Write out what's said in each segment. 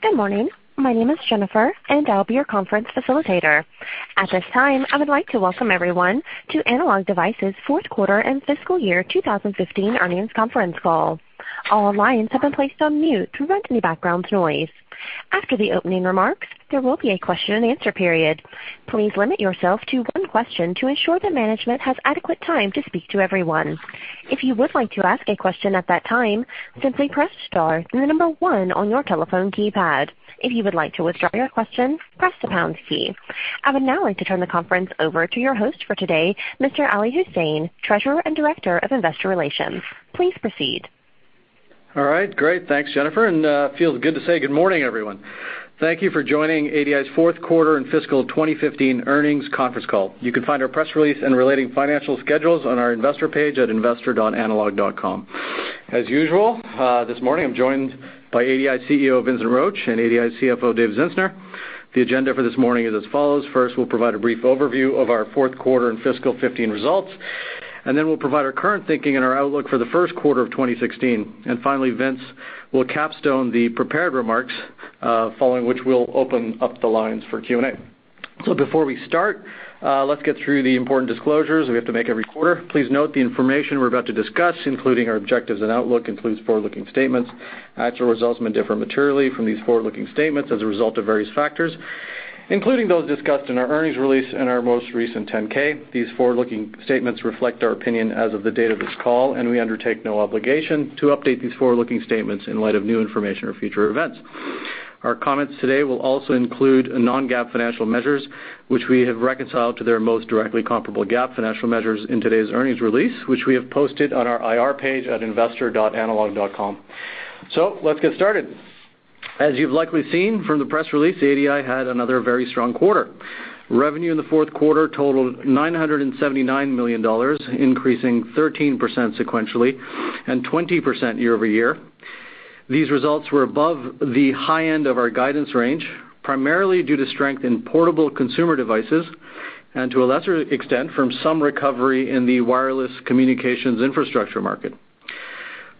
Good morning. My name is Jennifer, and I'll be your conference facilitator. At this time, I would like to welcome everyone to Analog Devices' fourth quarter and fiscal year 2015 earnings conference call. All lines have been placed on mute to prevent any background noise. After the opening remarks, there will be a question-and-answer period. Please limit yourself to one question to ensure that management has adequate time to speak to everyone. If you would like to ask a question at that time, simply press star, then the number one on your telephone keypad. If you would like to withdraw your question, press the pound key. I would now like to turn the conference over to your host for today, Mr. Ali Husain, Treasurer and Director of Investor Relations. Please proceed. All right. Great. Thanks, Jennifer. Feels good to say good morning, everyone. Thank you for joining ADI's fourth quarter and fiscal 2015 earnings conference call. You can find our press release and relating financial schedules on our investor page at investor.analog.com. As usual, this morning I'm joined by ADI CEO, Vincent Roche, and ADI CFO, David Zinsner. The agenda for this morning is as follows. First, we'll provide a brief overview of our fourth quarter and fiscal '15 results, then we'll provide our current thinking and our outlook for the first quarter of 2016. Finally, Vince will capstone the prepared remarks, following which we'll open up the lines for Q&A. Before we start, let's get through the important disclosures we have to make every quarter. Please note the information we're about to discuss, including our objectives and outlook, includes forward-looking statements. Actual results may differ materially from these forward-looking statements as a result of various factors, including those discussed in our earnings release and our most recent 10-K. These forward-looking statements reflect our opinion as of the date of this call, and we undertake no obligation to update these forward-looking statements in light of new information or future events. Our comments today will also include non-GAAP financial measures, which we have reconciled to their most directly comparable GAAP financial measures in today's earnings release, which we have posted on our IR page at investor.analog.com. Let's get started. As you've likely seen from the press release, ADI had another very strong quarter. Revenue in the fourth quarter totaled $979 million, increasing 13% sequentially and 20% year-over-year. These results were above the high end of our guidance range, primarily due to strength in portable consumer devices and to a lesser extent, from some recovery in the wireless communications infrastructure market.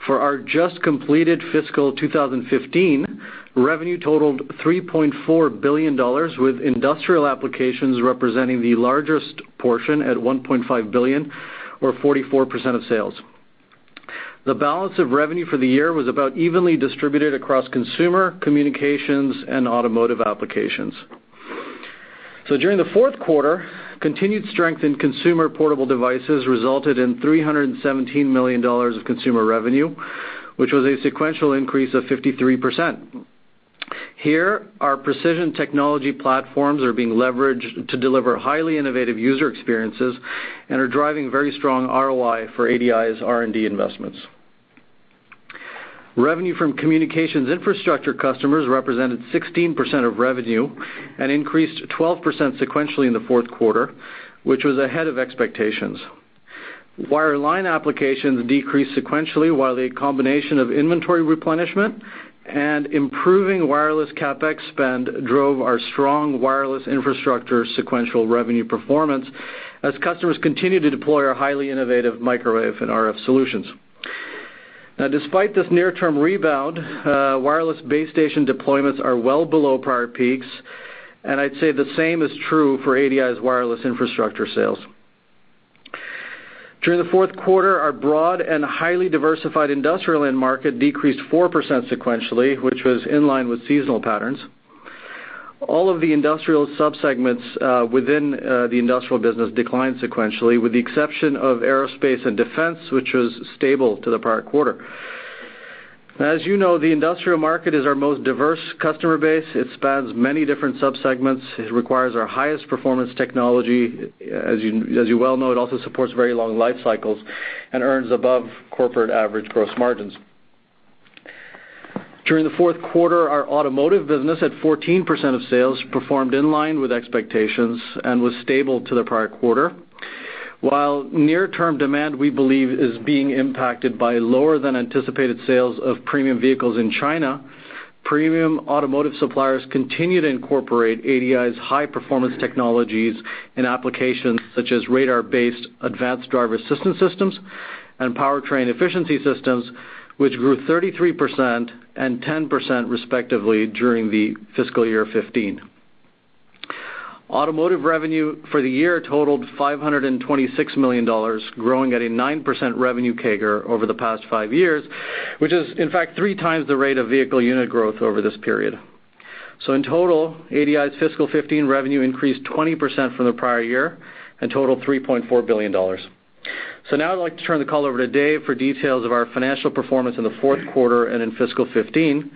For our just completed fiscal 2015, revenue totaled $3.4 billion, with industrial applications representing the largest portion at $1.5 billion, or 44% of sales. The balance of revenue for the year was about evenly distributed across consumer, communications, and automotive applications. During the fourth quarter, continued strength in consumer portable devices resulted in $317 million of consumer revenue, which was a sequential increase of 53%. Here, our precision technology platforms are being leveraged to deliver highly innovative user experiences and are driving very strong ROI for ADI's R&D investments. Revenue from communications infrastructure customers represented 16% of revenue and increased 12% sequentially in the fourth quarter, which was ahead of expectations. Wireline applications decreased sequentially, while a combination of inventory replenishment and improving wireless CapEx spend drove our strong wireless infrastructure sequential revenue performance as customers continue to deploy our highly innovative microwave and RF solutions. Despite this near-term rebound, wireless base station deployments are well below prior peaks, and I'd say the same is true for ADI's wireless infrastructure sales. During the fourth quarter, our broad and highly diversified industrial end market decreased 4% sequentially, which was in line with seasonal patterns. All of the industrial sub-segments within the industrial business declined sequentially, with the exception of aerospace and defense, which was stable to the prior quarter. As you know, the industrial market is our most diverse customer base. It spans many different sub-segments. It requires our highest performance technology. As you well know, it also supports very long life cycles and earns above corporate average gross margins. During the fourth quarter, our automotive business, at 14% of sales, performed in line with expectations and was stable to the prior quarter. While near-term demand, we believe, is being impacted by lower than anticipated sales of premium vehicles in China, premium automotive suppliers continue to incorporate ADI's high-performance technologies in applications such as radar-based advanced driver assistance systems and powertrain efficiency systems, which grew 33% and 10% respectively during the fiscal year 2015. Automotive revenue for the year totaled $526 million, growing at a 9% revenue CAGR over the past five years, which is in fact three times the rate of vehicle unit growth over this period. In total, ADI's fiscal 2015 revenue increased 20% from the prior year and totaled $3.4 billion. Now I'd like to turn the call over to Dave for details of our financial performance in the fourth quarter and in fiscal 2015.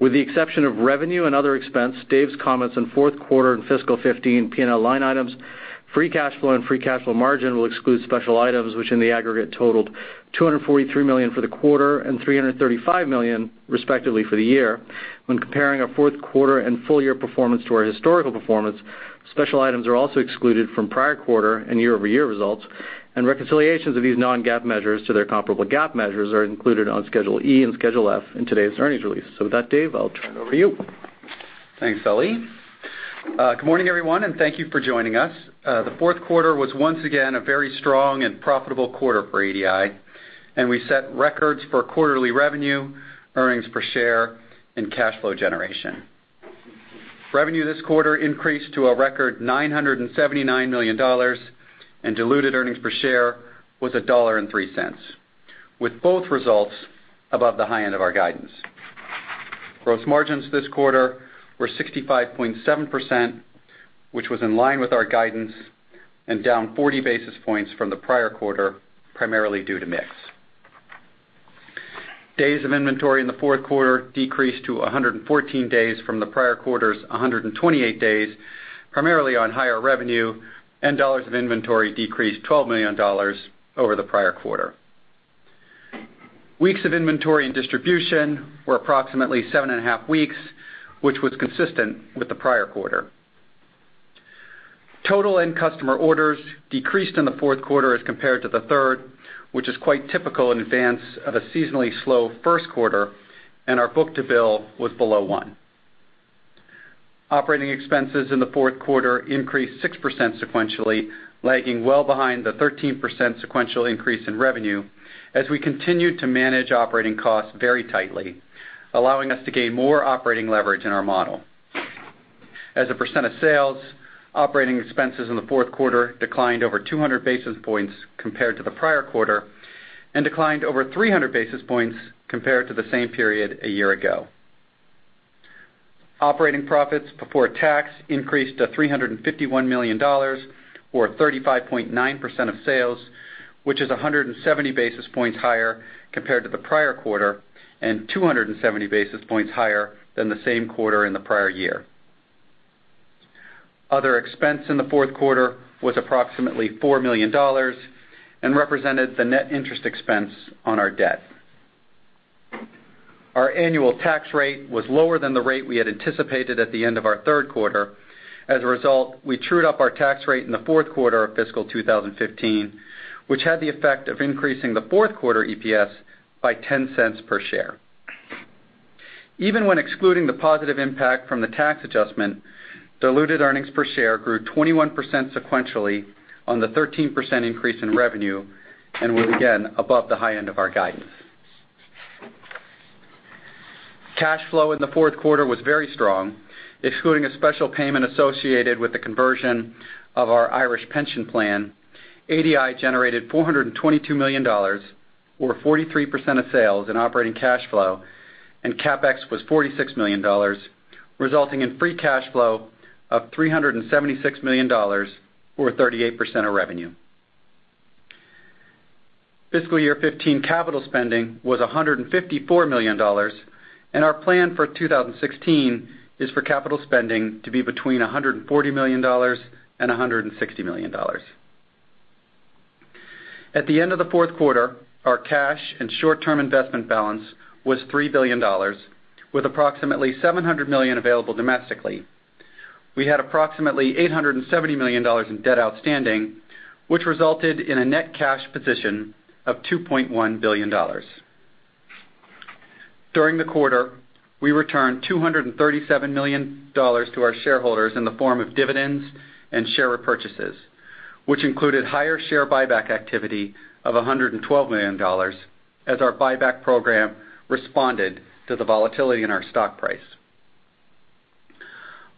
With the exception of revenue and other expense, Dave's comments on fourth quarter and fiscal 2015 P&L line items, free cash flow and free cash flow margin will exclude special items, which in the aggregate totaled $243 million for the quarter and $335 million respectively for the year. When comparing our fourth quarter and full-year performance to our historical performance, special items are also excluded from prior quarter and year-over-year results, and reconciliations of these non-GAAP measures to their comparable GAAP measures are included on Schedule E and Schedule F in today's earnings release. With that, Dave, I'll turn it over to you. Thanks, Ellie. Good morning, everyone, and thank you for joining us. The fourth quarter was once again a very strong and profitable quarter for ADI, and we set records for quarterly revenue, earnings per share, and cash flow generation. Revenue this quarter increased to a record $979 million, and diluted earnings per share was $1.03, with both results above the high end of our guidance. Gross margins this quarter were 65.7%, which was in line with our guidance and down 40 basis points from the prior quarter, primarily due to mix. Days of inventory in the fourth quarter decreased to 114 days from the prior quarter's 128 days, primarily on higher revenue, and dollars of inventory decreased $12 million over the prior quarter. Weeks of inventory and distribution were approximately seven and a half weeks, which was consistent with the prior quarter. Total end customer orders decreased in the fourth quarter as compared to the third, which is quite typical in advance of a seasonally slow first quarter. Our book-to-bill was below one. Operating expenses in the fourth quarter increased 6% sequentially, lagging well behind the 13% sequential increase in revenue as we continued to manage operating costs very tightly, allowing us to gain more operating leverage in our model. As a percent of sales, operating expenses in the fourth quarter declined over 200 basis points compared to the prior quarter and declined over 300 basis points compared to the same period a year ago. Operating profits before tax increased to $351 million, or 35.9% of sales, which is 170 basis points higher compared to the prior quarter and 270 basis points higher than the same quarter in the prior year. Other expense in the fourth quarter was approximately $4 million and represented the net interest expense on our debt. Our annual tax rate was lower than the rate we had anticipated at the end of our third quarter. As a result, we trued up our tax rate in the fourth quarter of fiscal 2015, which had the effect of increasing the fourth quarter EPS by $0.10 per share. Even when excluding the positive impact from the tax adjustment, diluted earnings per share grew 21% sequentially on the 13% increase in revenue and were again above the high end of our guidance. Cash flow in the fourth quarter was very strong. Excluding a special payment associated with the conversion of our Irish pension plan, ADI generated $422 million, or 43% of sales in operating cash flow. CapEx was $46 million, resulting in free cash flow of $376 million, or 38% of revenue. Fiscal year 2015 capital spending was $154 million, and our plan for 2016 is for capital spending to be between $140 million and $160 million. At the end of the fourth quarter, our cash and short-term investment balance was $3 billion, with approximately $700 million available domestically. We had approximately $870 million in debt outstanding, which resulted in a net cash position of $2.1 billion. During the quarter, we returned $237 million to our shareholders in the form of dividends and share repurchases, which included higher share buyback activity of $112 million as our buyback program responded to the volatility in our stock price.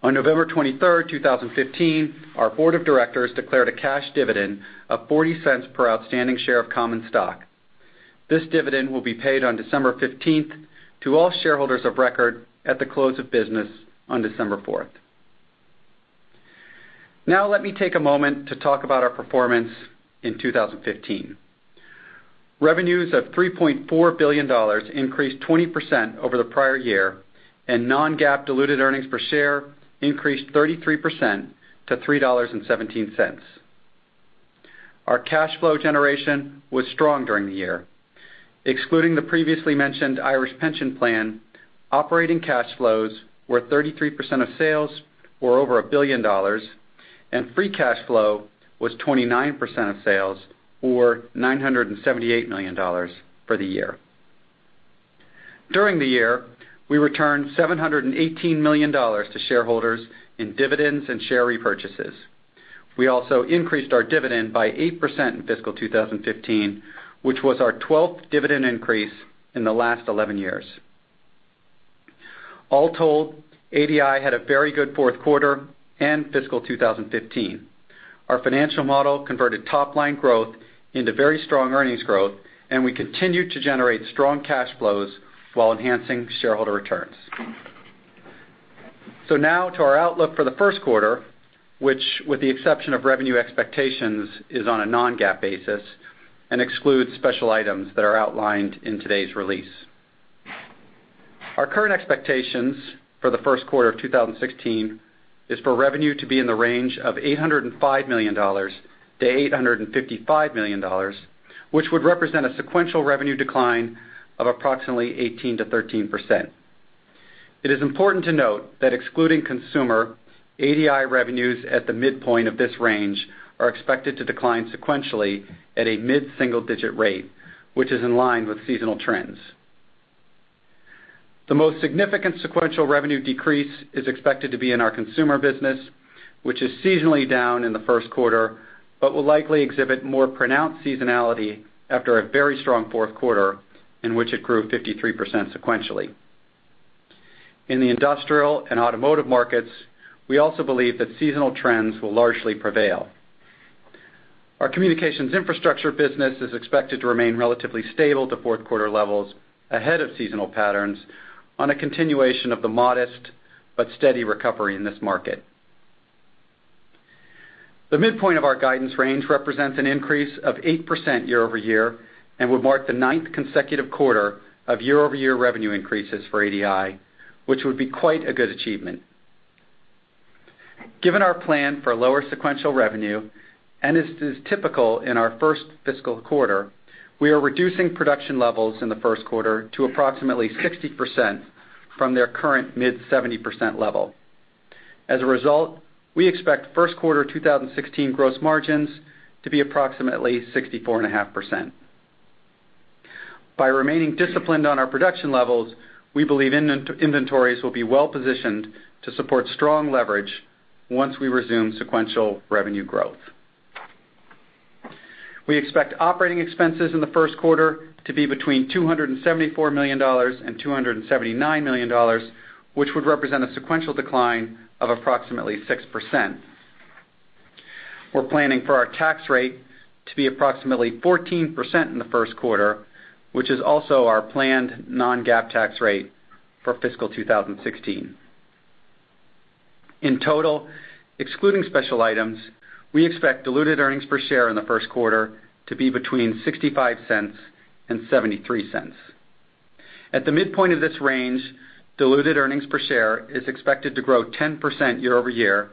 On November 23rd, 2015, our board of directors declared a cash dividend of $0.40 per outstanding share of common stock. This dividend will be paid on December 15th to all shareholders of record at the close of business on December 4th. Let me take a moment to talk about our performance in 2015. Revenues of $3.4 billion increased 20% over the prior year. Non-GAAP diluted earnings per share increased 33% to $3.17. Our cash flow generation was strong during the year. Excluding the previously mentioned Irish pension plan, operating cash flows were 33% of sales, or over $1 billion, and free cash flow was 29% of sales, or $978 million for the year. During the year, we returned $718 million to shareholders in dividends and share repurchases. We also increased our dividend by 8% in fiscal 2015, which was our 12th dividend increase in the last 11 years. All told, ADI had a very good fourth quarter and fiscal 2015. Our financial model converted top-line growth into very strong earnings growth, and we continued to generate strong cash flows while enhancing shareholder returns. Now to our outlook for the first quarter, which with the exception of revenue expectations, is on a non-GAAP basis and excludes special items that are outlined in today's release. Our current expectations for the first quarter of 2016 is for revenue to be in the range of $805 million to $855 million, which would represent a sequential revenue decline of approximately 18% to 13%. It is important to note that excluding consumer, ADI revenues at the midpoint of this range are expected to decline sequentially at a mid-single-digit rate, which is in line with seasonal trends. The most significant sequential revenue decrease is expected to be in our consumer business, which is seasonally down in the first quarter, but will likely exhibit more pronounced seasonality after a very strong fourth quarter, in which it grew 53% sequentially. In the industrial and automotive markets, we also believe that seasonal trends will largely prevail. Our communications infrastructure business is expected to remain relatively stable to fourth quarter levels ahead of seasonal patterns on a continuation of the modest but steady recovery in this market. The midpoint of our guidance range represents an increase of 8% year over year and would mark the ninth consecutive quarter of year-over-year revenue increases for ADI, which would be quite a good achievement. Given our plan for lower sequential revenue, and this is typical in our first fiscal quarter, we are reducing production levels in the first quarter to approximately 60% from their current mid-70% level. As a result, we expect first quarter 2016 gross margins to be approximately 64.5%. By remaining disciplined on our production levels, we believe inventories will be well positioned to support strong leverage once we resume sequential revenue growth. We expect operating expenses in the first quarter to be between $274 million and $279 million, which would represent a sequential decline of approximately 6%. We're planning for our tax rate to be approximately 14% in the first quarter, which is also our planned non-GAAP tax rate for fiscal 2016. In total, excluding special items, we expect diluted earnings per share in the first quarter to be between $0.65 and $0.73. At the midpoint of this range, diluted earnings per share is expected to grow 10% year over year,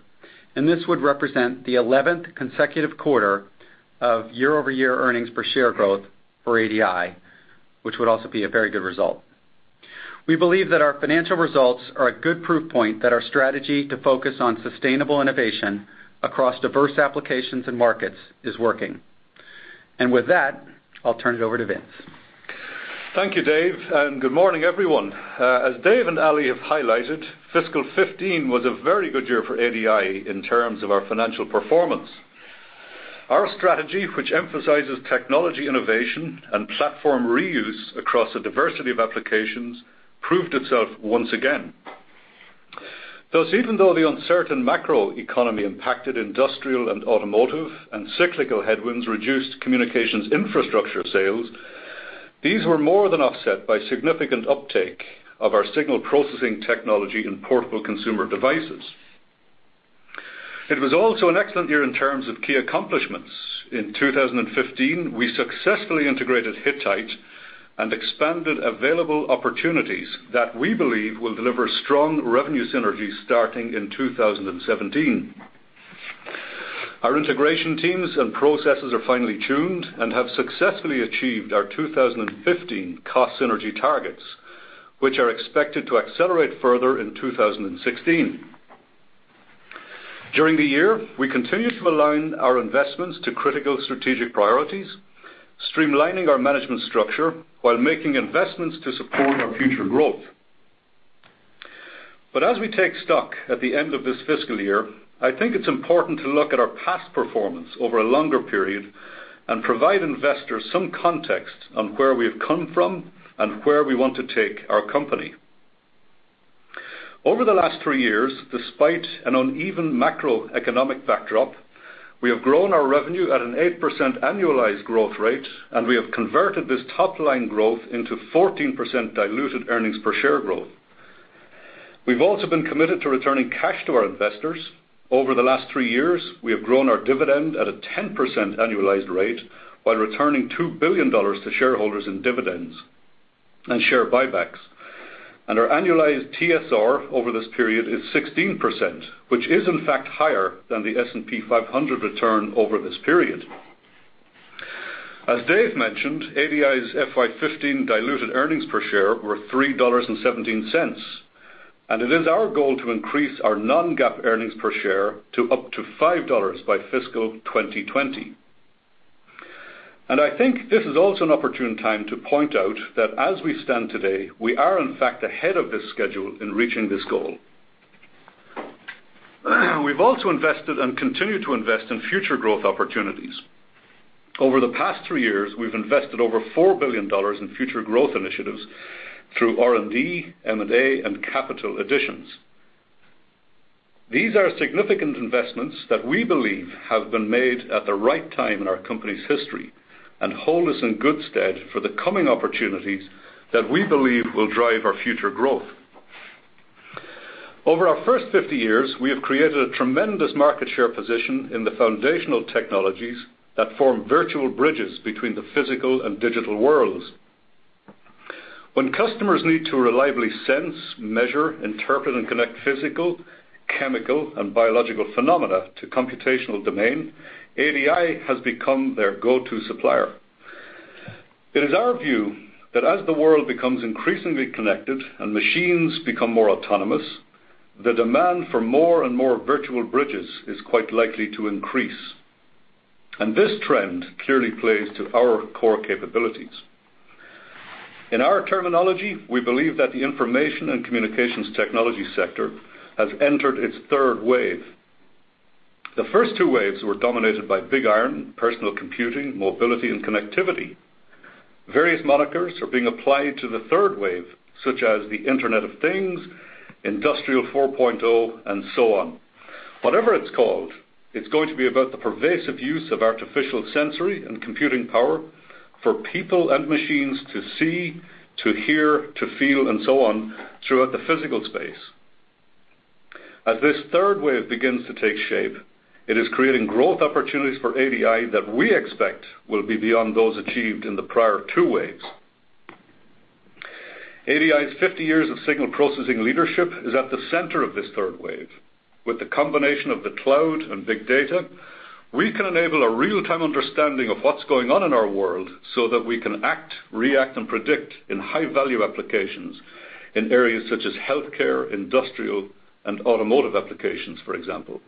and this would represent the 11th consecutive quarter of year-over-year earnings per share growth for ADI, which would also be a very good result. We believe that our financial results are a good proof point that our strategy to focus on sustainable innovation across diverse applications and markets is working. With that, I'll turn it over to Vince. Thank you, Dave, and good morning, everyone. As Dave and Ali have highlighted, fiscal 2015 was a very good year for ADI in terms of our financial performance. Our strategy, which emphasizes technology innovation and platform reuse across a diversity of applications, proved itself once again. Thus, even though the uncertain macro economy impacted industrial and automotive, and cyclical headwinds reduced communications infrastructure sales, these were more than offset by significant uptake of our signal processing technology in portable consumer devices. It was also an excellent year in terms of key accomplishments. In 2015, we successfully integrated Hittite and expanded available opportunities that we believe will deliver strong revenue synergies starting in 2017. Our integration teams and processes are finely tuned and have successfully achieved our 2015 cost synergy targets, which are expected to accelerate further in 2016. During the year, we continued to align our investments to critical strategic priorities, streamlining our management structure while making investments to support our future growth. As we take stock at the end of this fiscal year, I think it's important to look at our past performance over a longer period and provide investors some context on where we have come from and where we want to take our company. Over the last three years, despite an uneven macroeconomic backdrop, we have grown our revenue at an 8% annualized growth rate, and we have converted this top-line growth into 14% diluted earnings per share growth. We've also been committed to returning cash to our investors. Over the last three years, we have grown our dividend at a 10% annualized rate while returning $2 billion to shareholders in dividends and share buybacks. Our annualized TSR over this period is 16%, which is, in fact, higher than the S&P 500 return over this period. As Dave mentioned, ADI's FY 2015 diluted earnings per share were $3.17. It is our goal to increase our non-GAAP earnings per share to up to $5 by fiscal 2020. I think this is also an opportune time to point out that as we stand today, we are in fact ahead of this schedule in reaching this goal. We've also invested and continue to invest in future growth opportunities. Over the past three years, we've invested over $4 billion in future growth initiatives through R&D, M&A, and capital additions. These are significant investments that we believe have been made at the right time in our company's history and hold us in good stead for the coming opportunities that we believe will drive our future growth. Over our first 50 years, we have created a tremendous market share position in the foundational technologies that form virtual bridges between the physical and digital worlds. When customers need to reliably sense, measure, interpret, and connect physical, chemical, and biological phenomena to computational domain, ADI has become their go-to supplier. It is our view that as the world becomes increasingly connected and machines become more autonomous, the demand for more and more virtual bridges is quite likely to increase. This trend clearly plays to our core capabilities. In our terminology, we believe that the information and communications technology sector has entered its third wave. The first two waves were dominated by big iron, personal computing, mobility, and connectivity. Various monikers are being applied to the third wave, such as the Internet of Things, Industry 4.0, and so on. Whatever it's called, it's going to be about the pervasive use of artificial sensory and computing power for people and machines to see, to hear, to feel, and so on, throughout the physical space. As this third wave begins to take shape, it is creating growth opportunities for ADI that we expect will be beyond those achieved in the prior two waves. ADI's 50 years of signal processing leadership is at the center of this third wave. With the combination of the cloud and big data, we can enable a real-time understanding of what's going on in our world so that we can act, react, and predict in high-value applications in areas such as healthcare, industrial, and automotive applications, for example.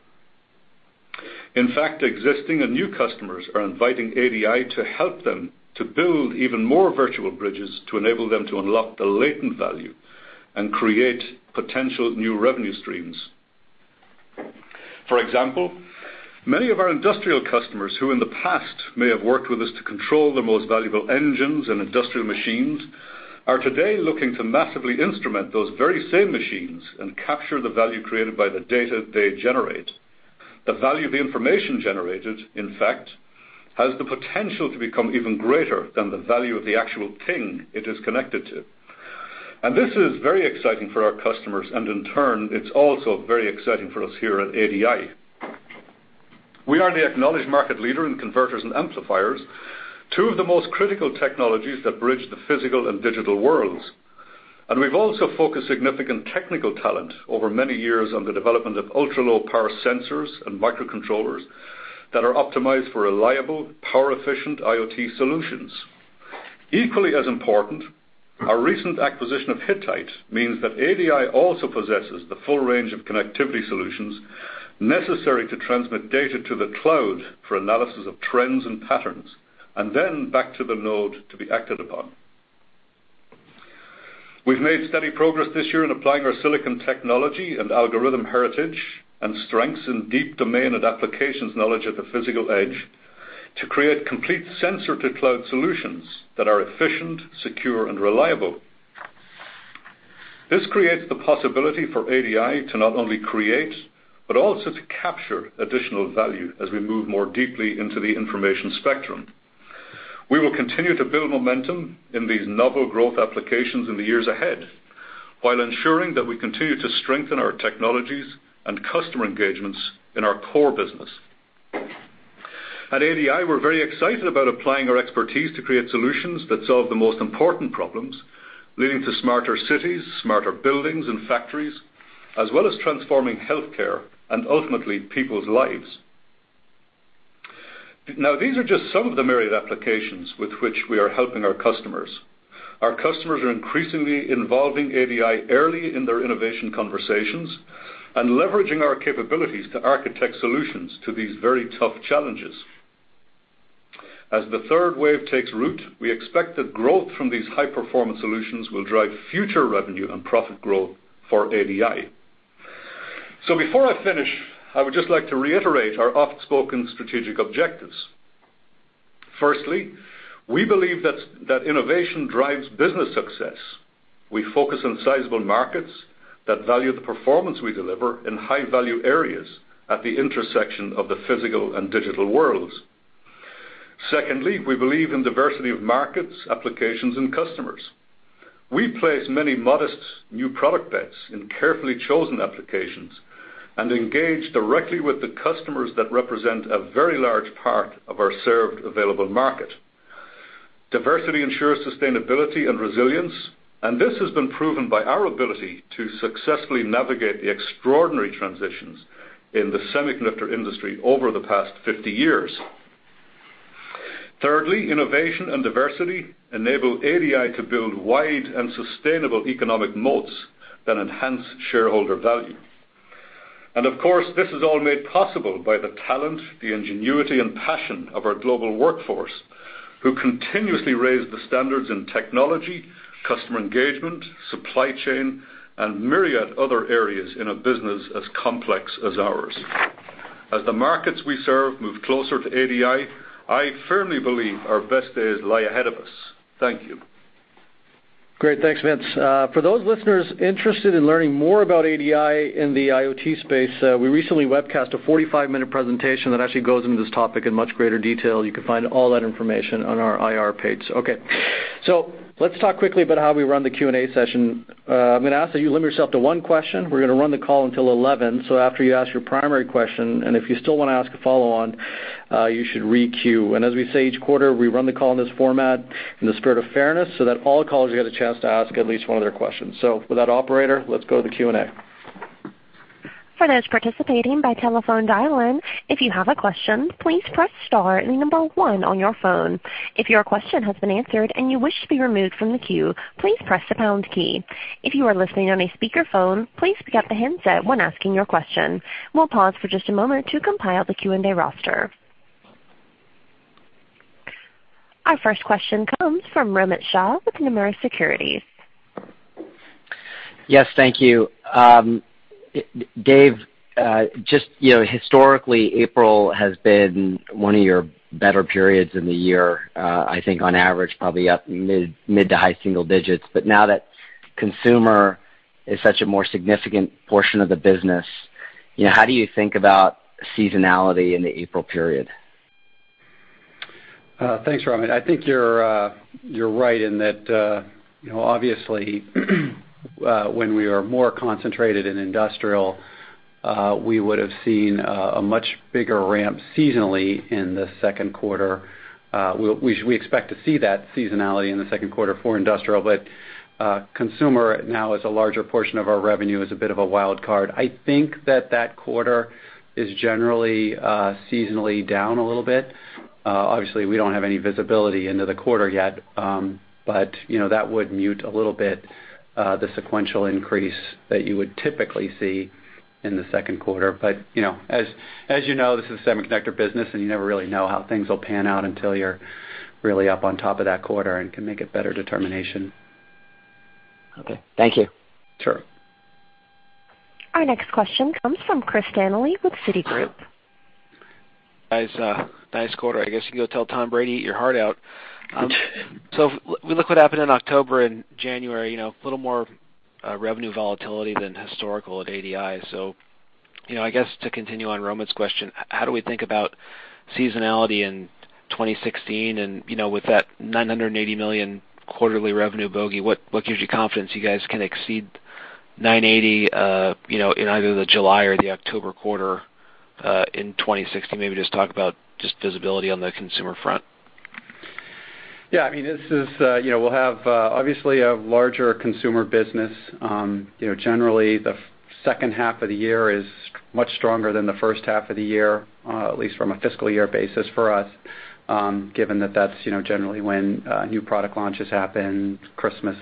In fact, existing and new customers are inviting ADI to help them to build even more virtual bridges to enable them to unlock the latent value and create potential new revenue streams. For example, many of our industrial customers who in the past may have worked with us to control the most valuable engines and industrial machines, are today looking to massively instrument those very same machines and capture the value created by the data they generate. The value of the information generated, in fact, has the potential to become even greater than the value of the actual thing it is connected to. This is very exciting for our customers, and in turn, it's also very exciting for us here at ADI. We are the acknowledged market leader in converters and amplifiers, two of the most critical technologies that bridge the physical and digital worlds. We've also focused significant technical talent over many years on the development of ultra-low power sensors and microcontrollers that are optimized for reliable, power-efficient IoT solutions. Equally as important, our recent acquisition of Hittite means that ADI also possesses the full range of connectivity solutions necessary to transmit data to the cloud for analysis of trends and patterns, and then back to the node to be acted upon. We've made steady progress this year in applying our silicon technology and algorithm heritage, and strengths in deep domain and applications knowledge at the physical edge to create complete sensor-to-cloud solutions that are efficient, secure, and reliable. This creates the possibility for ADI to not only create but also to capture additional value as we move more deeply into the information spectrum. We will continue to build momentum in these novel growth applications in the years ahead, while ensuring that we continue to strengthen our technologies and customer engagements in our core business. At ADI, we're very excited about applying our expertise to create solutions that solve the most important problems, leading to smarter cities, smarter buildings and factories, as well as transforming healthcare and ultimately, people's lives. Now, these are just some of the myriad applications with which we are helping our customers. Our customers are increasingly involving ADI early in their innovation conversations and leveraging our capabilities to architect solutions to these very tough challenges. As the third wave takes root, we expect that growth from these high-performance solutions will drive future revenue and profit growth for ADI. Before I finish, I would just like to reiterate our oft-spoken strategic objectives. Firstly, we believe that innovation drives business success. We focus on sizable markets that value the performance we deliver in high-value areas at the intersection of the physical and digital worlds. Secondly, we believe in diversity of markets, applications, and customers. We place many modest new product bets in carefully chosen applications and engage directly with the customers that represent a very large part of our served available market. Diversity ensures sustainability and resilience, and this has been proven by our ability to successfully navigate the extraordinary transitions in the semiconductor industry over the past 50 years. Thirdly, innovation and diversity enable ADI to build wide and sustainable economic moats that enhance shareholder value. Of course, this is all made possible by the talent, the ingenuity, and passion of our global workforce, who continuously raise the standards in technology, customer engagement, supply chain, and myriad other areas in a business as complex as ours. As the markets we serve move closer to ADI, I firmly believe our best days lie ahead of us. Thank you. Great. Thanks, Vince. For those listeners interested in learning more about ADI in the IoT space, we recently webcast a 45-minute presentation that actually goes into this topic in much greater detail. You can find all that information on our IR page. Okay, let's talk quickly about how we run the Q&A session. I'm going to ask that you limit yourself to one question. We're going to run the call until 11:00. After you ask your primary question, and if you still want to ask a follow-on, you should re-queue. As we say each quarter, we run the call in this format in the spirit of fairness so that all callers get a chance to ask at least one of their questions. With that, operator, let's go to the Q&A. For those participating by telephone dial-in, if you have a question, please press star and the number one on your phone. If your question has been answered and you wish to be removed from the queue, please press the pound key. If you are listening on a speakerphone, please pick up the handset when asking your question. We'll pause for just a moment to compile the Q&A roster. Our first question comes from Romit Shah with Nomura Securities. Yes, thank you. Dave, historically, April has been one of your better periods in the year, I think on average, probably up mid to high single digits. Now that consumer is such a more significant portion of the business, how do you think about seasonality in the April period? Thanks, Romit. I think you're right in that, obviously, when we are more concentrated in industrial, we would've seen a much bigger ramp seasonally in the second quarter. We expect to see that seasonality in the second quarter for industrial, but consumer now is a larger portion of our revenue, is a bit of a wild card. I think that that quarter is generally seasonally down a little bit. Obviously, we don't have any visibility into the quarter yet, but that would mute a little bit, the sequential increase that you would typically see in the second quarter. As you know, this is semiconductor business, and you never really know how things will pan out until you're really up on top of that quarter and can make a better determination. Okay. Thank you. Sure. Our next question comes from Christopher Danely with Citigroup. Guys, nice quarter. I guess you go tell Tom Brady, eat your heart out. We look what happened in October and January, a little more revenue volatility than historical at ADI. I guess to continue on Romit's question, how do we think about seasonality in 2016? With that $980 million quarterly revenue bogey, what gives you confidence you guys can exceed $980 in either the July or the October quarter, in 2016? Maybe just talk about just visibility on the consumer front. Yeah, we'll have, obviously, a larger consumer business. Generally, the second half of the year is much stronger than the first half of the year, at least from a fiscal year basis for us, given that that's generally when new product launches happen, Christmas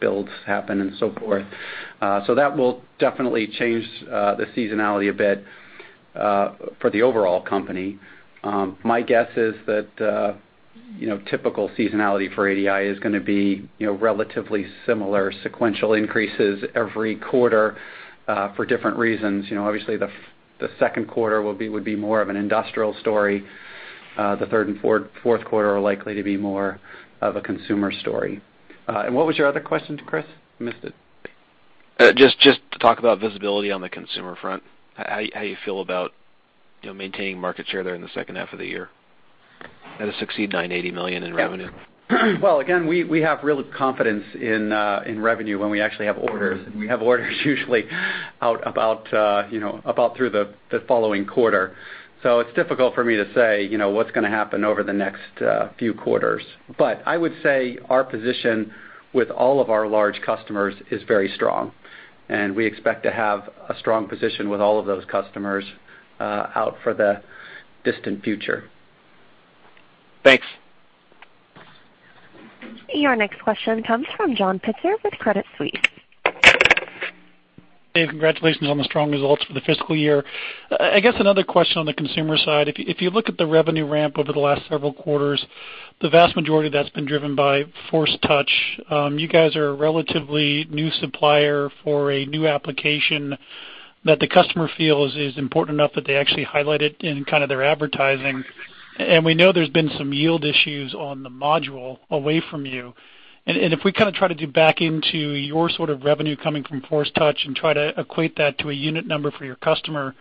builds happen, and so forth. That will definitely change the seasonality a bit, for the overall company. My guess is that typical seasonality for ADI is going to be relatively similar sequential increases every quarter, for different reasons. Obviously, the second quarter would be more of an industrial story. The third and fourth quarter are likely to be more of a consumer story. What was your other question, Chris? I missed it. Just talk about visibility on the consumer front, how you feel about maintaining market share there in the second half of the year to succeed $980 million in revenue. Well, again, we have real confidence in revenue when we actually have orders, and we have orders usually out about through the following quarter. It's difficult for me to say what's going to happen over the next few quarters. I would say our position with all of our large customers is very strong, and we expect to have a strong position with all of those customers out for the distant future. Thanks. Your next question comes from John Pitzer with Credit Suisse. Dave, congratulations on the strong results for the fiscal year. I guess another question on the consumer side, if you look at the revenue ramp over the last several quarters, the vast majority of that's been driven by Force Touch. You guys are a relatively new supplier for a new application that the customer feels is important enough that they actually highlight it in their advertising. We know there's been some yield issues on the module away from you. If we try to do back into your sort of revenue coming from Force Touch and try to equate that to a unit number for your customer,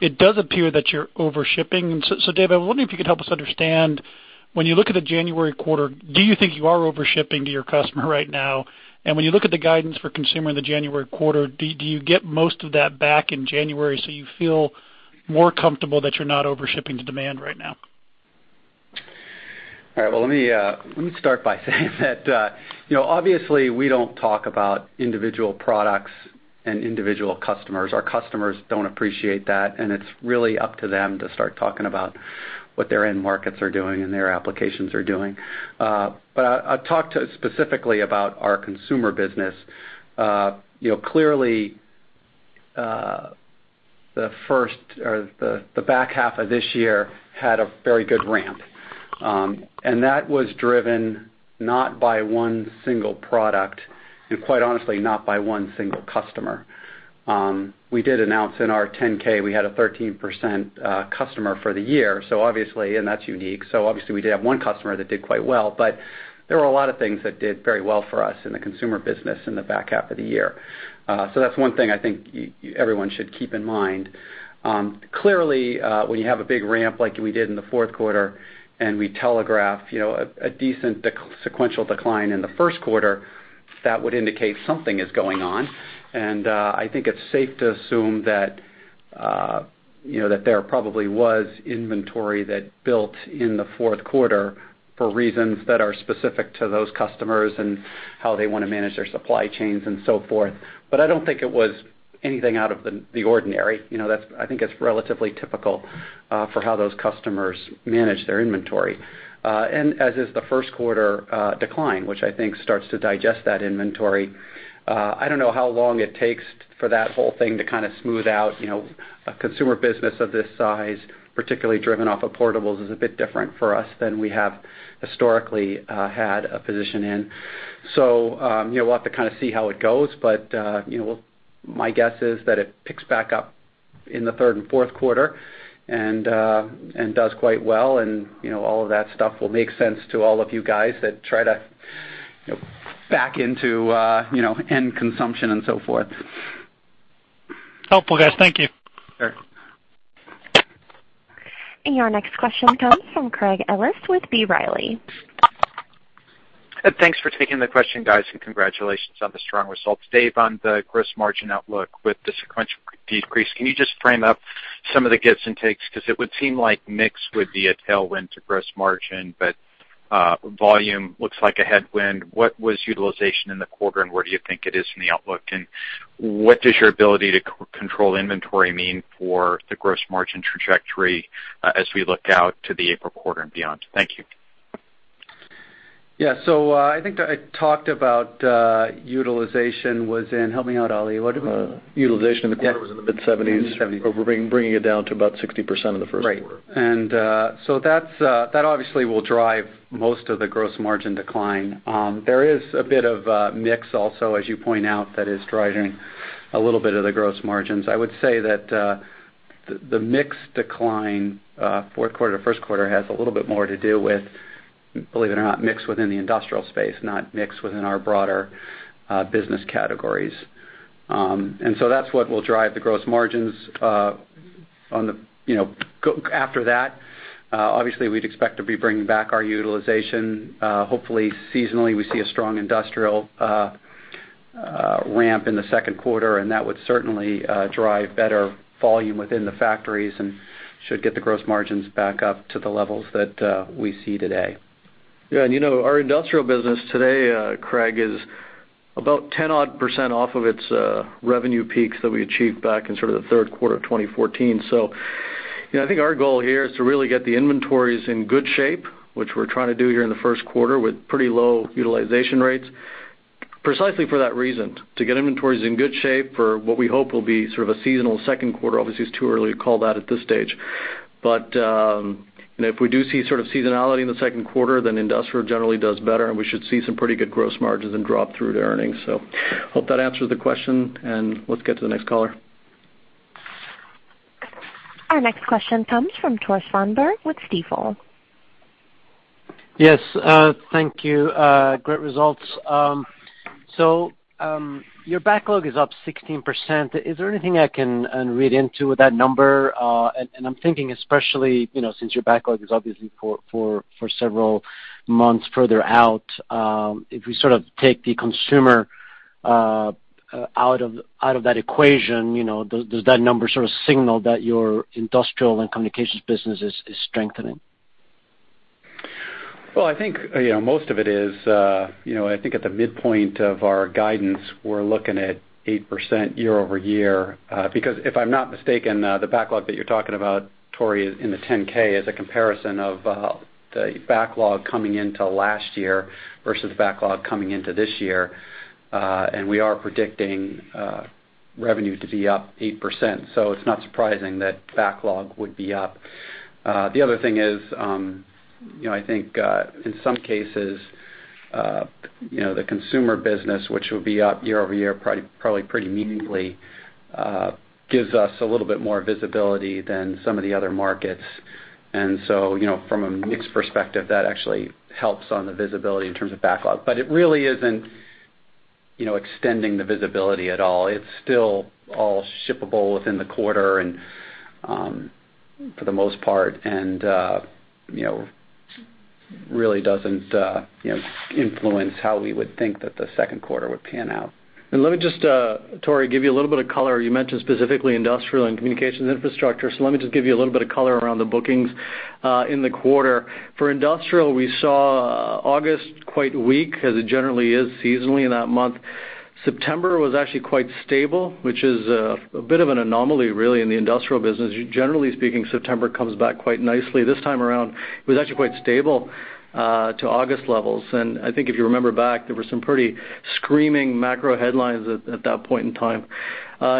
it does appear that you're over-shipping. Dave, I'm wondering if you could help us understand, when you look at the January quarter, do you think you are over-shipping to your customer right now? When you look at the guidance for consumer in the January quarter, do you get most of that back in January, you feel more comfortable that you're not over-shipping to demand right now? All right. Well, let me start by saying that, obviously, we don't talk about individual products and individual customers. Our customers don't appreciate that, and it's really up to them to start talking about what their end markets are doing and their applications are doing. I'll talk specifically about our consumer business. Clearly, the back half of this year had a very good ramp. That was driven not by one single product and quite honestly, not by one single customer. We did announce in our 10-K, we had a 13% customer for the year, and that's unique. Obviously, we did have one customer that did quite well, but there were a lot of things that did very well for us in the consumer business in the back half of the year. That's one thing I think everyone should keep in mind. Clearly, when you have a big ramp like we did in the fourth quarter, and we telegraphed a decent sequential decline in the first quarter, that would indicate something is going on. I think it's safe to assume that there probably was inventory that built in the fourth quarter for reasons that are specific to those customers and how they want to manage their supply chains and so forth. I don't think it was anything out of the ordinary. I think it's relatively typical for how those customers manage their inventory. As is the first quarter decline, which I think starts to digest that inventory. I don't know how long it takes for that whole thing to kind of smooth out. A consumer business of this size, particularly driven off of portables, is a bit different for us than we have historically had a position in. We'll have to kind of see how it goes, but my guess is that it picks back up in the third and fourth quarter and does quite well. All of that stuff will make sense to all of you guys that try to back into end consumption and so forth. Helpful, guys. Thank you. Sure. Your next question comes from Craig Ellis with B. Riley. Thanks for taking the question, guys, and congratulations on the strong results. Dave, on the gross margin outlook with the sequential decrease, can you just frame up some of the gives and takes? It would seem like mix would be a tailwind to gross margin, but volume looks like a headwind. What was utilization in the quarter, and where do you think it is in the outlook? What does your ability to control inventory mean for the gross margin trajectory as we look out to the April quarter and beyond? Thank you. Yeah. I think I talked about utilization was in, help me out, Oli, what did we- Utilization in the quarter was in the mid-70s. Mid-70s. We're bringing it down to about 60% in the first quarter. Right. That obviously will drive most of the gross margin decline. There is a bit of mix also, as you point out, that is driving a little bit of the gross margins. I would say that the mix decline, fourth quarter to first quarter, has a little bit more to do with, believe it or not, mix within the industrial space, not mix within our broader business categories. That's what will drive the gross margins. After that, obviously, we'd expect to be bringing back our utilization. Hopefully, seasonally, we see a strong industrial ramp in the second quarter, and that would certainly drive better volume within the factories and should get the gross margins back up to the levels that we see today. Yeah, our industrial business today, Craig, is about 10-odd percent off of its revenue peaks that we achieved back in sort of the third quarter of 2014. I think our goal here is to really get the inventories in good shape, which we're trying to do here in the first quarter with pretty low utilization rates, precisely for that reason. To get inventories in good shape for what we hope will be sort of a seasonal second quarter. Obviously, it's too early to call that at this stage. If we do see sort of seasonality in the second quarter, then industrial generally does better, and we should see some pretty good gross margins and drop through to earnings. Hope that answers the question, and let's get to the next caller. Our next question comes from Tore Svanberg with Stifel. Yes, thank you. Great results. Your backlog is up 16%. Is there anything I can read into with that number? I'm thinking especially, since your backlog is obviously for several months further out, if we sort of take the consumer out of that equation, does that number sort of signal that your industrial and communications business is strengthening? Well, I think most of it is. I think at the midpoint of our guidance, we're looking at 8% year-over-year. If I'm not mistaken, the backlog that you're talking about, Tory, in the 10-K is a comparison of the backlog coming into last year versus backlog coming into this year. We are predicting revenue to be up 8%, so it's not surprising that backlog would be up. The other thing is, I think in some cases the consumer business, which will be up year-over-year, probably pretty meaningfully gives us a little bit more visibility than some of the other markets. From a mix perspective, that actually helps on the visibility in terms of backlog. It really isn't extending the visibility at all. It's still all shippable within the quarter, and for the most part, and really doesn't influence how we would think that the second quarter would pan out. Let me just, Tory, give you a little bit of color. You mentioned specifically industrial and communications infrastructure, so let me just give you a little bit of color around the bookings in the quarter. For industrial, we saw August quite weak, as it generally is seasonally in that month. September was actually quite stable, which is a bit of an anomaly, really, in the industrial business. Generally speaking, September comes back quite nicely. This time around, it was actually quite stable to August levels. I think if you remember back, there were some pretty screaming macro headlines at that point in time.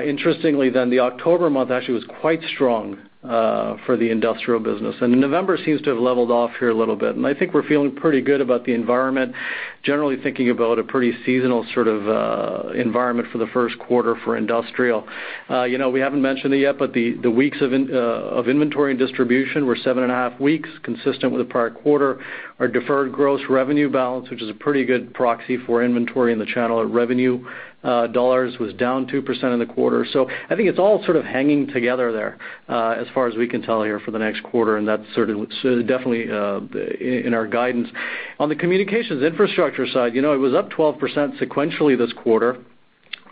Interestingly, the October month actually was quite strong for the industrial business. November seems to have leveled off here a little bit. I think we're feeling pretty good about the environment, generally thinking about a pretty seasonal sort of environment for the first quarter for industrial. We haven't mentioned it yet, but the weeks of inventory and distribution were seven and a half weeks, consistent with the prior quarter. Our deferred gross revenue balance, which is a pretty good proxy for inventory in the channel at revenue dollars, was down 2% in the quarter. I think it's all sort of hanging together there, as far as we can tell here for the next quarter, and that's sort of definitely in our guidance. On the communications infrastructure side, it was up 12% sequentially this quarter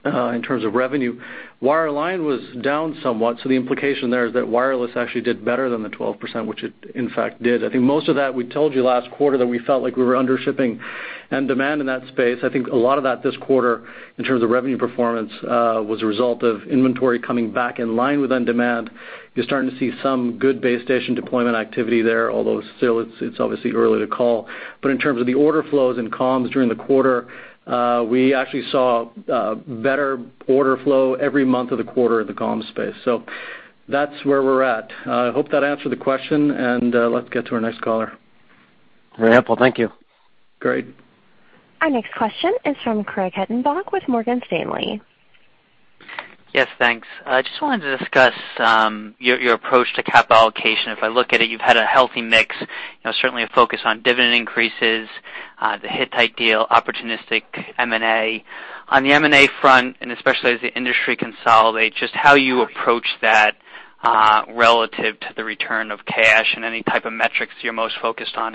in terms of revenue. Wireline was down somewhat, the implication there is that wireless actually did better than the 12%, which it in fact did. I think most of that, we told you last quarter that we felt like we were under-shipping end demand in that space. I think a lot of that this quarter, in terms of revenue performance, was a result of inventory coming back in line with end demand. You're starting to see some good base station deployment activity there, although still it's obviously early to call. In terms of the order flows in comms during the quarter, we actually saw better order flow every month of the quarter in the comms space. That's where we're at. I hope that answered the question, and let's get to our next caller. Very helpful. Thank you. Great. Our next question is from Craig Hettenbach with Morgan Stanley. Yes, thanks. I just wanted to discuss your approach to capital allocation. If I look at it, you've had a healthy mix. Certainly a focus on dividend increases, the Hittite deal, opportunistic M&A. Especially as the industry consolidates, just how you approach that relative to the return of cash and any type of metrics you're most focused on.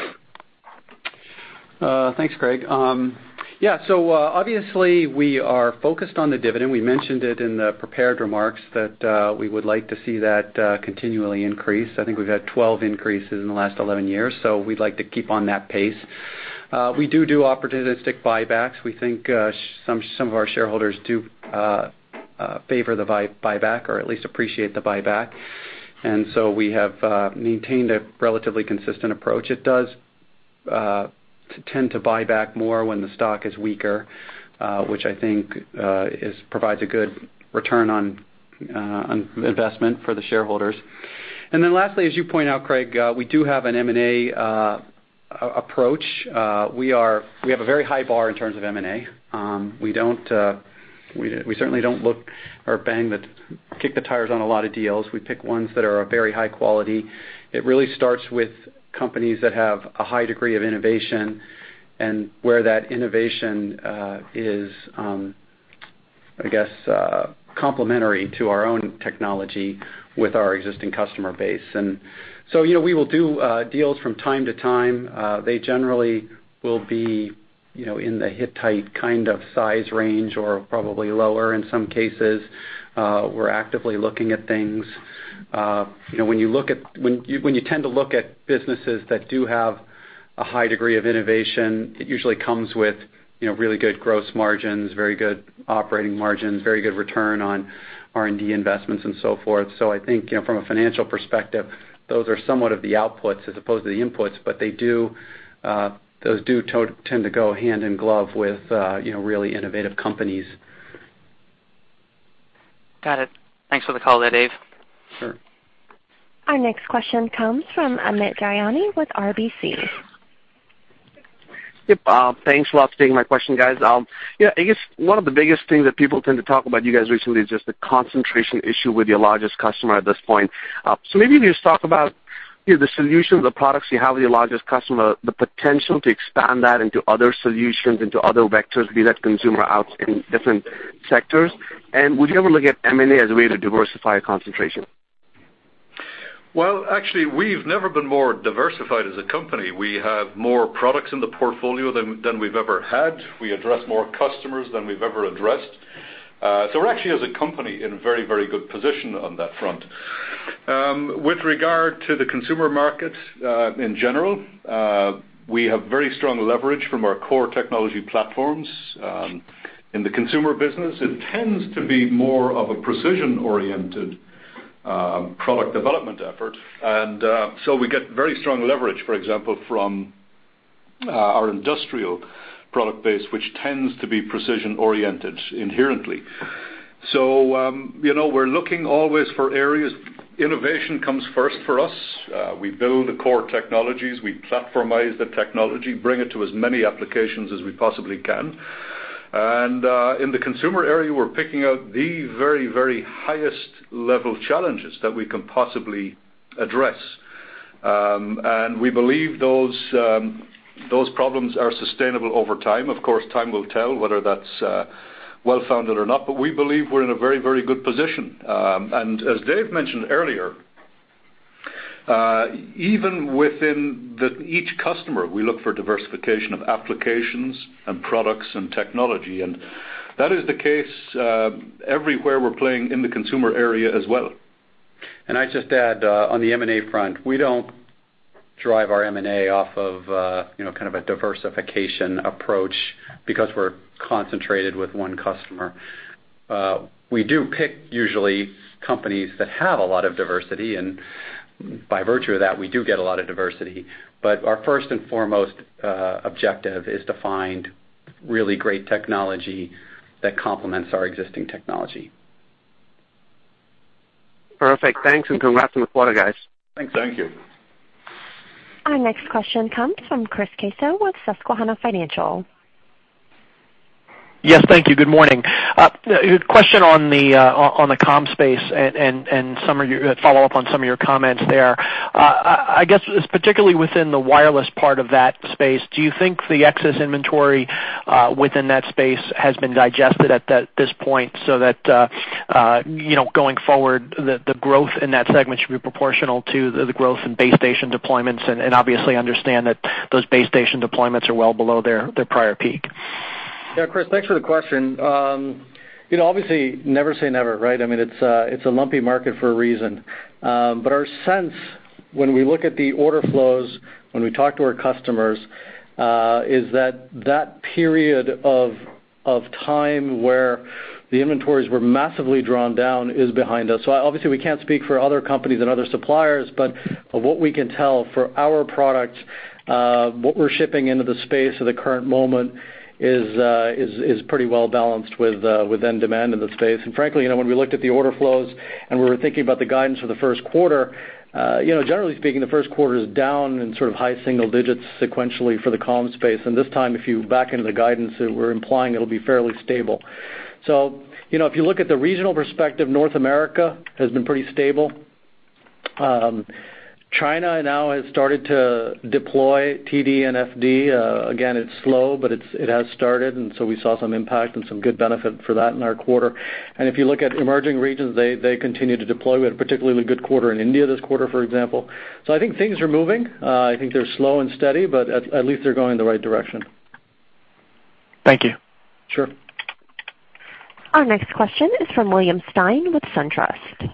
Thanks, Craig. Obviously, we are focused on the dividend. We mentioned it in the prepared remarks that we would like to see that continually increase. I think we've had 12 increases in the last 11 years, we'd like to keep on that pace. We do opportunistic buybacks. We think some of our shareholders do favor the buyback or at least appreciate the buyback, we have maintained a relatively consistent approach. It does tend to buy back more when the stock is weaker, which I think provides a good return on investment for the shareholders. Lastly, as you point out, Craig, we do have an M&A approach. We have a very high bar in terms of M&A. We certainly don't look or kick the tires on a lot of deals. We pick ones that are of very high quality. It really starts with companies that have a high degree of innovation and where that innovation is, I guess, complementary to our own technology with our existing customer base. We will do deals from time to time. They generally will be in the Hittite kind of size range or probably lower in some cases. We're actively looking at things. When you tend to look at businesses that do have a high degree of innovation, it usually comes with really good gross margins, very good operating margins, very good return on R&D investments, and so forth. I think from a financial perspective, those are somewhat of the outputs as opposed to the inputs, but those do tend to go hand in glove with really innovative companies. Got it. Thanks for the call there, Dave. Sure. Our next question comes from Amit Daryanani with RBC. Yep. Thanks a lot for taking my question, guys. I guess one of the biggest things that people tend to talk about you guys recently is just the concentration issue with your largest customer at this point. Maybe just talk about the solutions, the products you have with your largest customer, the potential to expand that into other solutions, into other vectors, be that consumer or out in different sectors. Would you ever look at M&A as a way to diversify concentration? Well, actually, we've never been more diversified as a company. We have more products in the portfolio than we've ever had. We address more customers than we've ever addressed. We're actually, as a company, in a very good position on that front. With regard to the consumer market in general, we have very strong leverage from our core technology platforms. In the consumer business, it tends to be more of a precision-oriented product development effort. We get very strong leverage, for example, from our industrial product base, which tends to be precision-oriented inherently. We're looking always for areas. Innovation comes first for us. We build the core technologies. We platformize the technology, bring it to as many applications as we possibly can. In the consumer area, we're picking out the very highest level challenges that we can possibly address. We believe those problems are sustainable over time. Of course, time will tell whether that's well-founded or not, but we believe we're in a very good position. As Dave mentioned earlier, even within each customer, we look for diversification of applications and products and technology, and that is the case everywhere we're playing in the consumer area as well. I'd just add on the M&A front, we don't drive our M&A off of kind of a diversification approach because we're concentrated with one customer. We do pick usually companies that have a lot of diversity, and by virtue of that, we do get a lot of diversity. Our first and foremost objective is to find really great technology that complements our existing technology. Perfect. Thanks, congrats on the quarter, guys. Thanks. Thank you. Our next question comes from Chris Caso with Susquehanna Financial. Yes, thank you. Good morning. A question on the comm space and a follow-up on some of your comments there. I guess particularly within the wireless part of that space, do you think the excess inventory within that space has been digested at this point so that going forward, the growth in that segment should be proportional to the growth in base station deployments? Obviously understand that those base station deployments are well below their prior peak. Yeah, Chris, thanks for the question. Obviously, never say never, right? I mean, it's a lumpy market for a reason. Our sense when we look at the order flows, when we talk to our customers, is that that period of time where the inventories were massively drawn down is behind us. Obviously we can't speak for other companies and other suppliers, but of what we can tell for our products, what we're shipping into the space at the current moment is pretty well balanced with end demand in the space. Frankly, when we looked at the order flows and we were thinking about the guidance for the first quarter, generally speaking, the first quarter is down in sort of high single digits sequentially for the comm space. This time, if you back into the guidance that we're implying, it'll be fairly stable. If you look at the regional perspective, North America has been pretty stable. China now has started to deploy TD and FD. Again, it's slow, but it has started, we saw some impact and some good benefit for that in our quarter. If you look at emerging regions, they continue to deploy. We had a particularly good quarter in India this quarter, for example. I think things are moving. I think they're slow and steady, but at least they're going in the right direction. Thank you. Sure. Our next question is from William Stein with SunTrust.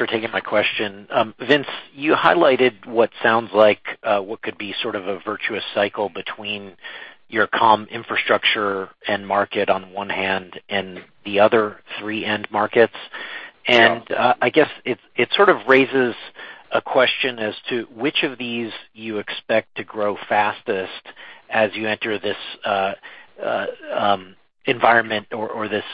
Thanks for taking my question. Vince, you highlighted what sounds like what could be sort of a virtuous cycle between your comm infrastructure end market on one hand and the other three end markets. Yeah. I guess it sort of raises a question as to which of these you expect to grow fastest as you enter this environment or this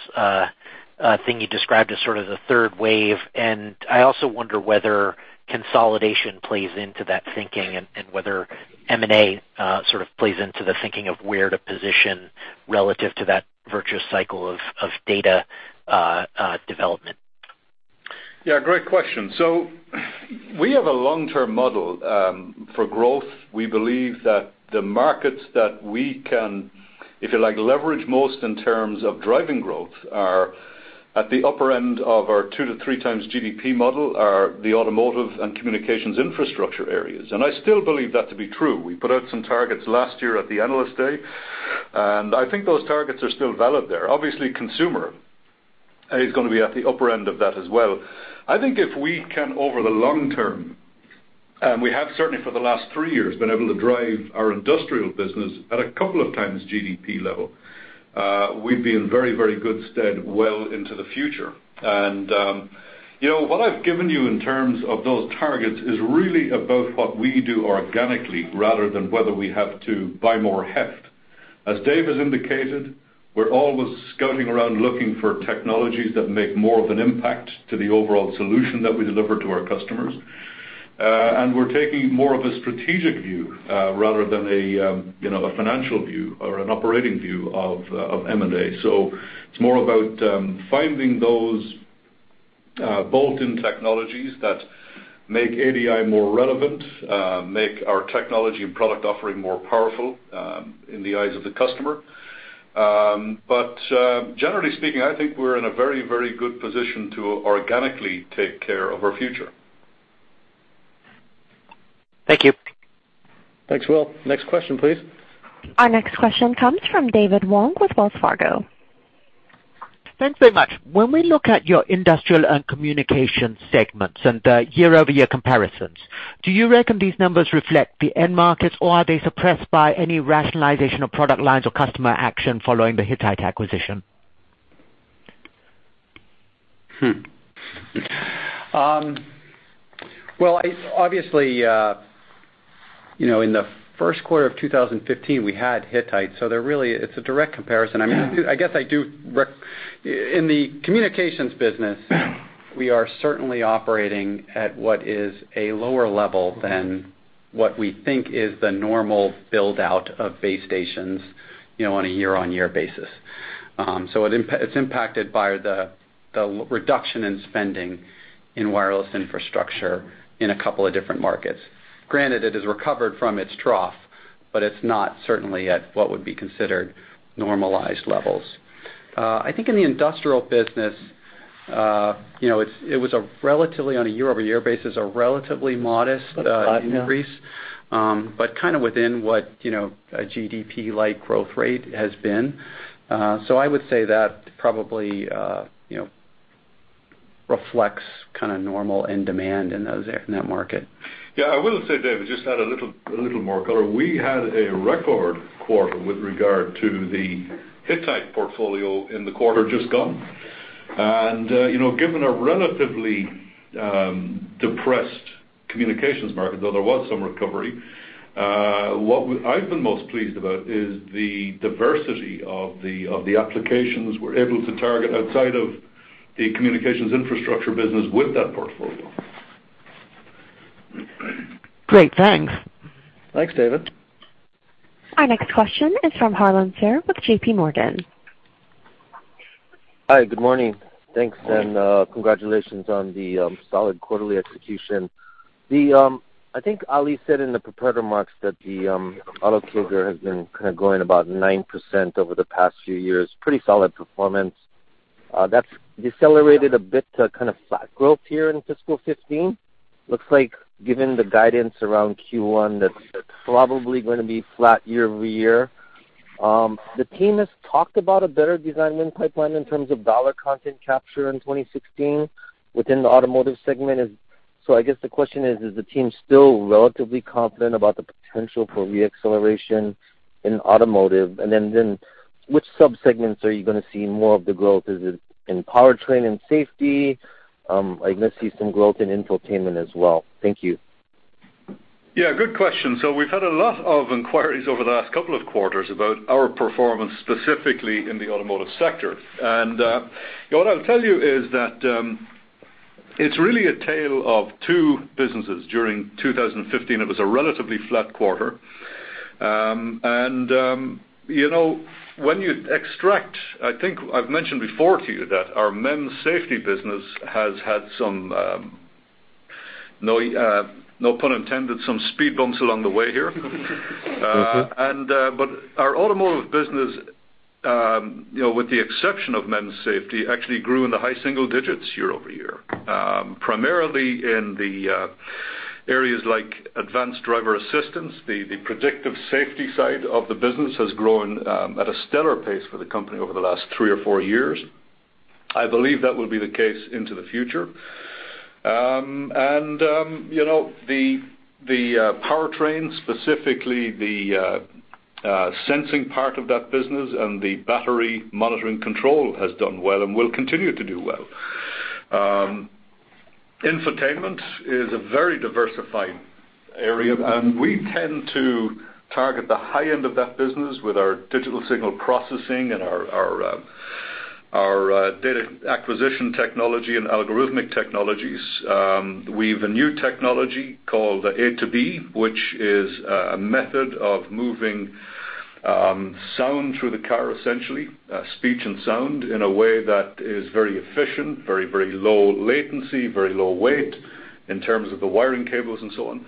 thing you described as sort of the third wave. I also wonder whether consolidation plays into that thinking and whether M&A sort of plays into the thinking of where to position relative to that virtuous cycle of data development. Yeah, great question. We have a long-term model for growth. We believe that the markets that we can, if you like, leverage most in terms of driving growth are at the upper end of our two to three times GDP model are the automotive and communications infrastructure areas. I still believe that to be true. We put out some targets last year at the Analyst Day. I think those targets are still valid there. Obviously, consumer is going to be at the upper end of that as well. I think if we can over the long term, and we have certainly for the last three years, been able to drive our industrial business at a couple of times GDP level, we'd be in very, very good stead well into the future. What I've given you in terms of those targets is really about what we do organically rather than whether we have to buy more heft. As Dave has indicated, we're always scouting around looking for technologies that make more of an impact to the overall solution that we deliver to our customers. We're taking more of a strategic view rather than a financial view or an operating view of M&A. It's more about finding those bolt-in technologies that make ADI more relevant, make our technology and product offering more powerful in the eyes of the customer. Generally speaking, I think we're in a very, very good position to organically take care of our future. Thank you. Thanks, Will. Next question, please. Our next question comes from David Wong with Wells Fargo. Thanks very much. When we look at your industrial and communication segments and year-over-year comparisons, do you reckon these numbers reflect the end markets or are they suppressed by any rationalization of product lines or customer action following the Hittite acquisition? Well, obviously, in the first quarter of 2015, we had Hittite. It's a direct comparison. In the communications business, we are certainly operating at what is a lower level than what we think is the normal build-out of base stations on a year-on-year basis. It's impacted by the reduction in spending in wireless infrastructure in a couple of different markets. Granted, it has recovered from its trough. It's not certainly at what would be considered normalized levels. I think in the industrial business, it was, on a year-over-year basis, a relatively modest increase. Flat, yeah. Kind of within what a GDP-like growth rate has been. I would say that probably reflects kind of normal end demand in that market. Yeah, I will say, David, just to add a little more color. We had a record quarter with regard to the Hittite portfolio in the quarter just gone. Given a relatively depressed communications market, though there was some recovery, what I've been most pleased about is the diversity of the applications we're able to target outside of the communications infrastructure business with that portfolio. Great, thanks. Thanks, David. Our next question is from Harlan Sur with J.P. Morgan. Hi, good morning. Morning. Thanks. Congratulations on the solid quarterly execution. I think Ali said in the prepared remarks that the auto CAGR has been kind of growing about 9% over the past few years. Pretty solid performance. That's decelerated a bit to kind of flat growth here in fiscal 2015. Looks like given the guidance around Q1 that it's probably going to be flat year-over-year. The team has talked about a better design win pipeline in terms of dollar content capture in 2016 within the automotive segment. I guess the question is the team still relatively confident about the potential for re-acceleration in automotive? Then, which subsegments are you going to see more of the growth? Is it in powertrain and safety? I did see some growth in infotainment as well. Thank you. Yeah, good question. We've had a lot of inquiries over the last couple of quarters about our performance, specifically in the automotive sector. What I'll tell you is that it's really a tale of two businesses. During 2015, it was a relatively flat quarter. When you extract, I think I've mentioned before to you that our MEMS safety business has had some, no pun intended, some speed bumps along the way here. Our automotive business, with the exception of MEMS safety, actually grew in the high single digits year-over-year. Primarily in the areas like advanced driver assistance, the predictive safety side of the business has grown at a stellar pace for the company over the last three or four years. I believe that will be the case into the future. The powertrain, specifically the sensing part of that business and the battery monitoring control has done well and will continue to do well. Infotainment is a very diversified area, and we tend to target the high end of that business with our digital signal processing and our data acquisition technology and algorithmic technologies. We've a new technology called the A2B, which is a method of moving sound through the car, essentially, speech and sound, in a way that is very efficient, very low latency, very low weight in terms of the wiring cables and so on.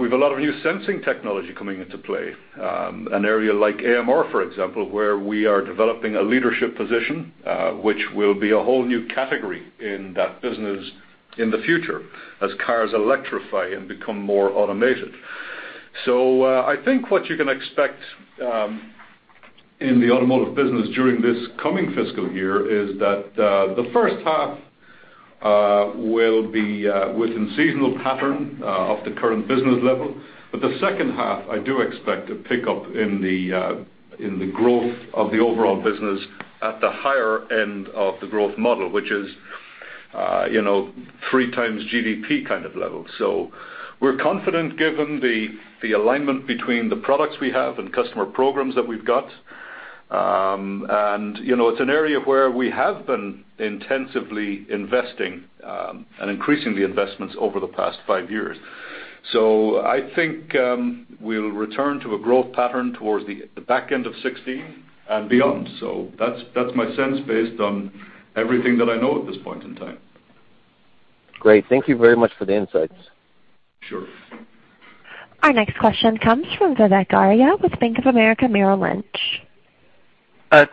We've a lot of new sensing technology coming into play. An area like AMR, for example, where we are developing a leadership position, which will be a whole new category in that business in the future as cars electrify and become more automated. I think what you can expect in the automotive business during this coming fiscal year is that the first half will be within seasonal pattern of the current business level. The second half, I do expect a pickup in the growth of the overall business at the higher end of the growth model, which is three times GDP kind of level. We're confident given the alignment between the products we have and customer programs that we've got. It's an area where we have been intensively investing and increasing the investments over the past five years. I think we'll return to a growth pattern towards the back end of 2016 and beyond. That's my sense based on everything that I know at this point in time. Great. Thank you very much for the insights. Sure. Our next question comes from Vivek Arya with Bank of America Merrill Lynch.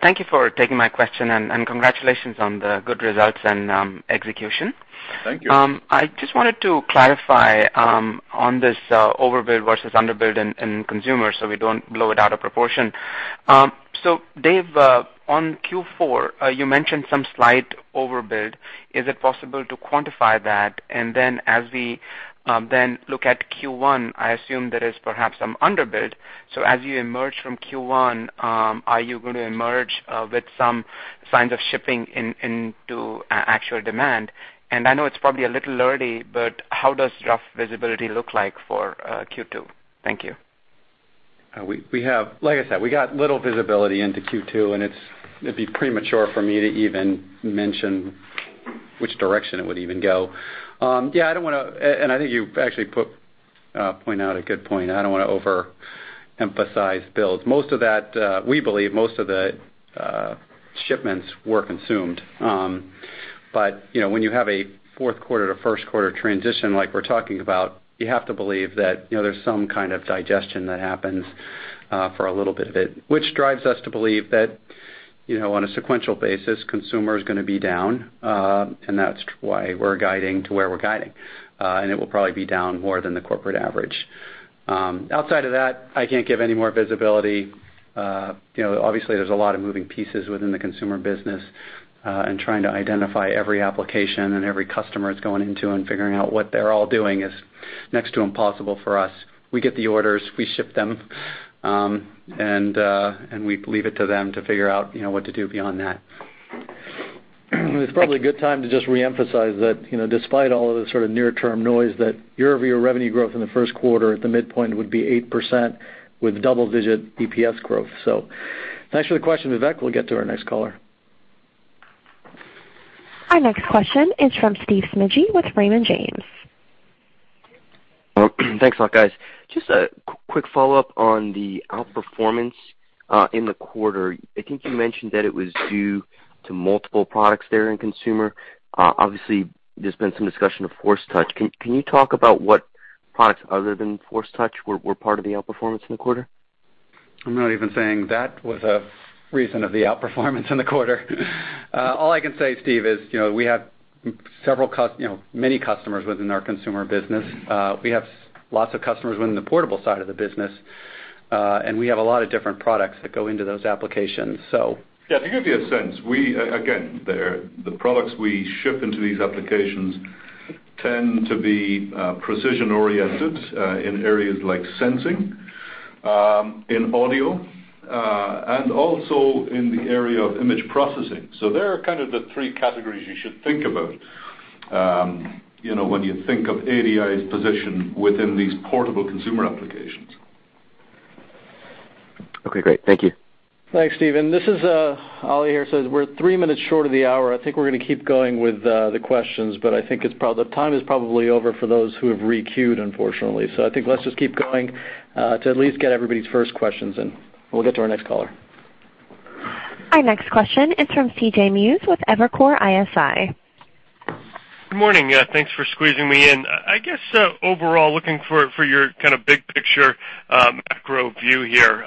Thank you for taking my question. Congratulations on the good results and execution. Thank you. I just wanted to clarify on this overbuild versus underbuild in consumer so we don't blow it out of proportion. Dave, on Q4, you mentioned some slight overbuild. Is it possible to quantify that? Then as we look at Q1, I assume there is perhaps some underbuild. As you emerge from Q1, are you going to emerge with some signs of shipping into actual demand? I know it's probably a little early, but how does rough visibility look like for Q2? Thank you. Like I said, we got little visibility into Q2. It'd be premature for me to even mention which direction it would even go. I think you actually pointed out a good point. I don't want to overemphasize builds. We believe most of the shipments were consumed. When you have a fourth quarter to first quarter transition like we're talking about, you have to believe that there's some kind of digestion that happens for a little bit of it, which drives us to believe that, on a sequential basis, consumer's going to be down. That's why we're guiding to where we're guiding. It will probably be down more than the corporate average. Outside of that, I can't give any more visibility. Obviously, there's a lot of moving pieces within the consumer business. Trying to identify every application and every customer it's going into and figuring out what they're all doing is next to impossible for us. We get the orders, we ship them, and we leave it to them to figure out what to do beyond that. It's probably a good time to just reemphasize that despite all of the sort of near-term noise, that year-over-year revenue growth in the first quarter at the midpoint would be 8% with double-digit EPS growth. Thanks for the question, Vivek. We'll get to our next caller. Our next question is from Steve Smigie with Raymond James. Thanks a lot, guys. Just a quick follow-up on the outperformance in the quarter. I think you mentioned that it was due to multiple products there in consumer. Obviously, there's been some discussion of Force Touch. Can you talk about what products other than Force Touch were part of the outperformance in the quarter? I'm not even saying that was a reason of the outperformance in the quarter. All I can say, Steven, is we have many customers within our consumer business. We have lots of customers within the portable side of the business. We have a lot of different products that go into those applications. Yeah, to give you a sense, again, the products we ship into these applications tend to be precision oriented in areas like sensing, in audio, and also in the area of image processing. They're kind of the three categories you should think about, when you think of ADI's position within these portable consumer applications. Okay, great. Thank you. Thanks, Steven. This is Ollie here. We're three minutes short of the hour. I think we're going to keep going with the questions, I think the time is probably over for those who have re-queued unfortunately. I think let's just keep going, to at least get everybody's first questions in, and we'll get to our next caller. Our next question is from C.J. Muse with Evercore ISI. Good morning. Thanks for squeezing me in. I guess, overall, looking for your kind of big picture, macro view here.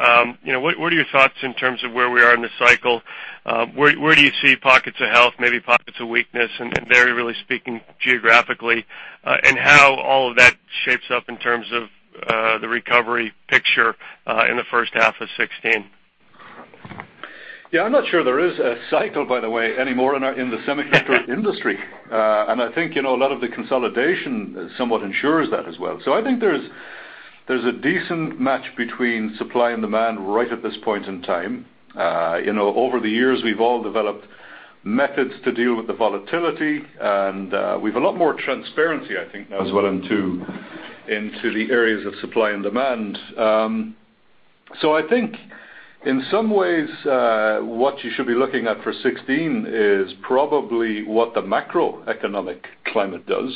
What are your thoughts in terms of where we are in the cycle? Where do you see pockets of health, maybe pockets of weakness, and very really speaking geographically, and how all of that shapes up in terms of the recovery picture in the first half of 2016? Yeah, I'm not sure there is a cycle, by the way, anymore in the semiconductor industry. I think a lot of the consolidation somewhat ensures that as well. I think there's a decent match between supply and demand right at this point in time. Over the years, we've all developed methods to deal with the volatility, and we've a lot more transparency, I think now as well into the areas of supply and demand. I think in some ways, what you should be looking at for 2016 is probably what the macroeconomic climate does.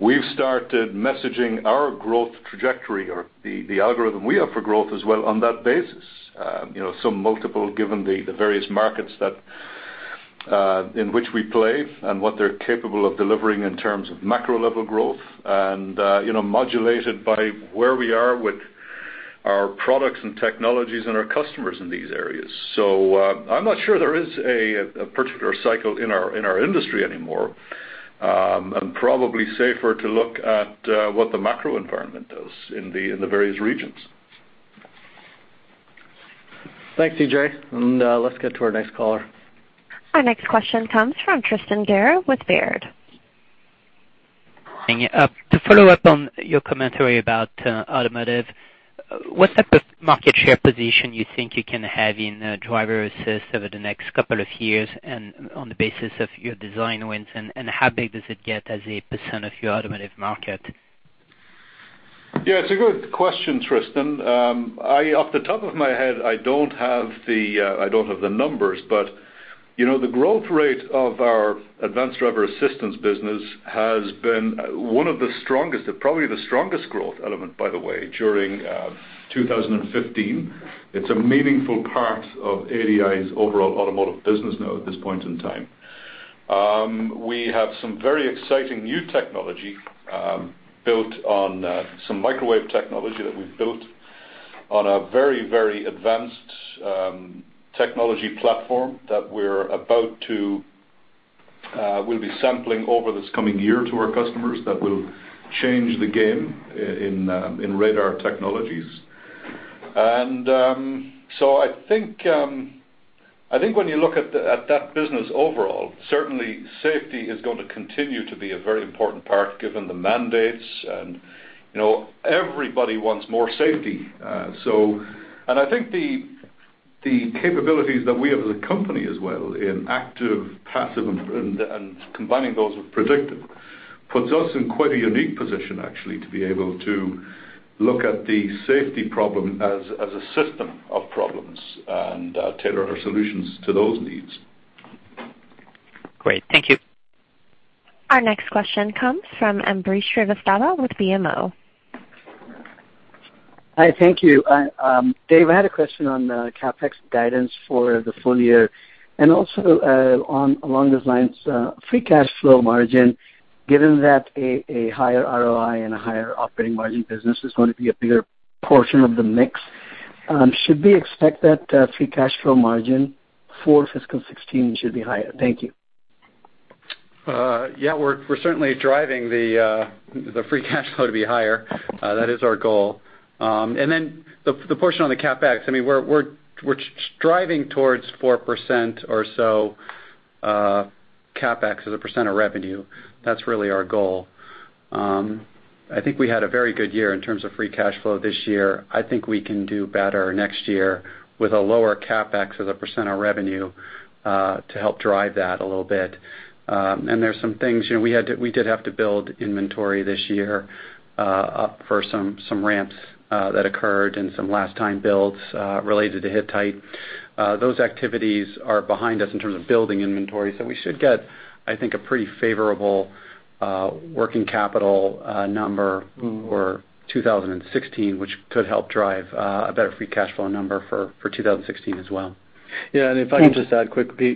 We've started messaging our growth trajectory or the algorithm we have for growth as well on that basis. Some multiple given the various markets in which we play and what they're capable of delivering in terms of macro level growth and modulated by where we are with our products and technologies and our customers in these areas. I'm not sure there is a particular cycle in our industry anymore, and probably safer to look at what the macro environment does in the various regions. Thanks, C.J., and let's get to our next caller. Our next question comes from Tristan Gerra with Baird. To follow up on your commentary about automotive, what type of market share position you think you can have in driver assist over the next couple of years and on the basis of your design wins, and how big does it get as a % of your automotive market? Yeah, it's a good question, Tristan. Off the top of my head, I don't have the numbers, but the growth rate of our advanced driver assistance business has been one of the strongest, probably the strongest growth element, by the way, during 2015. It's a meaningful part of ADI's overall automotive business now at this point in time. We have some very exciting new technology built on some microwave technology that we've built on a very advanced technology platform that we'll be sampling over this coming year to our customers that will change the game in radar technologies. I think when you look at that business overall, certainly safety is going to continue to be a very important part given the mandates, and everybody wants more safety. I think the capabilities that we have as a company as well in active, passive, and combining those with predictive puts us in quite a unique position, actually, to be able to look at the safety problem as a system of problems and tailor our solutions to those needs. Great. Thank you. Our next question comes from Ambrish Srivastava with BMO. Hi, thank you. Dave, I had a question on the CapEx guidance for the full year, and also along those lines, free cash flow margin, given that a higher ROI and a higher operating margin business is going to be a bigger portion of the mix, should we expect that free cash flow margin for fiscal 2016 should be higher? Thank you. Yeah, we're certainly driving the free cash flow to be higher. That is our goal. The portion on the CapEx, we're striving towards 4% or so CapEx as a percent of revenue. That's really our goal. I think we had a very good year in terms of free cash flow this year. I think we can do better next year with a lower CapEx as a percent of revenue to help drive that a little bit. There's some things, we did have to build inventory this year up for some ramps that occurred and some last time builds related to Hittite. Those activities are behind us in terms of building inventory. We should get, I think, a pretty favorable working capital number for 2016, which could help drive a better free cash flow number for 2016 as well. Yeah, if I could just add quickly,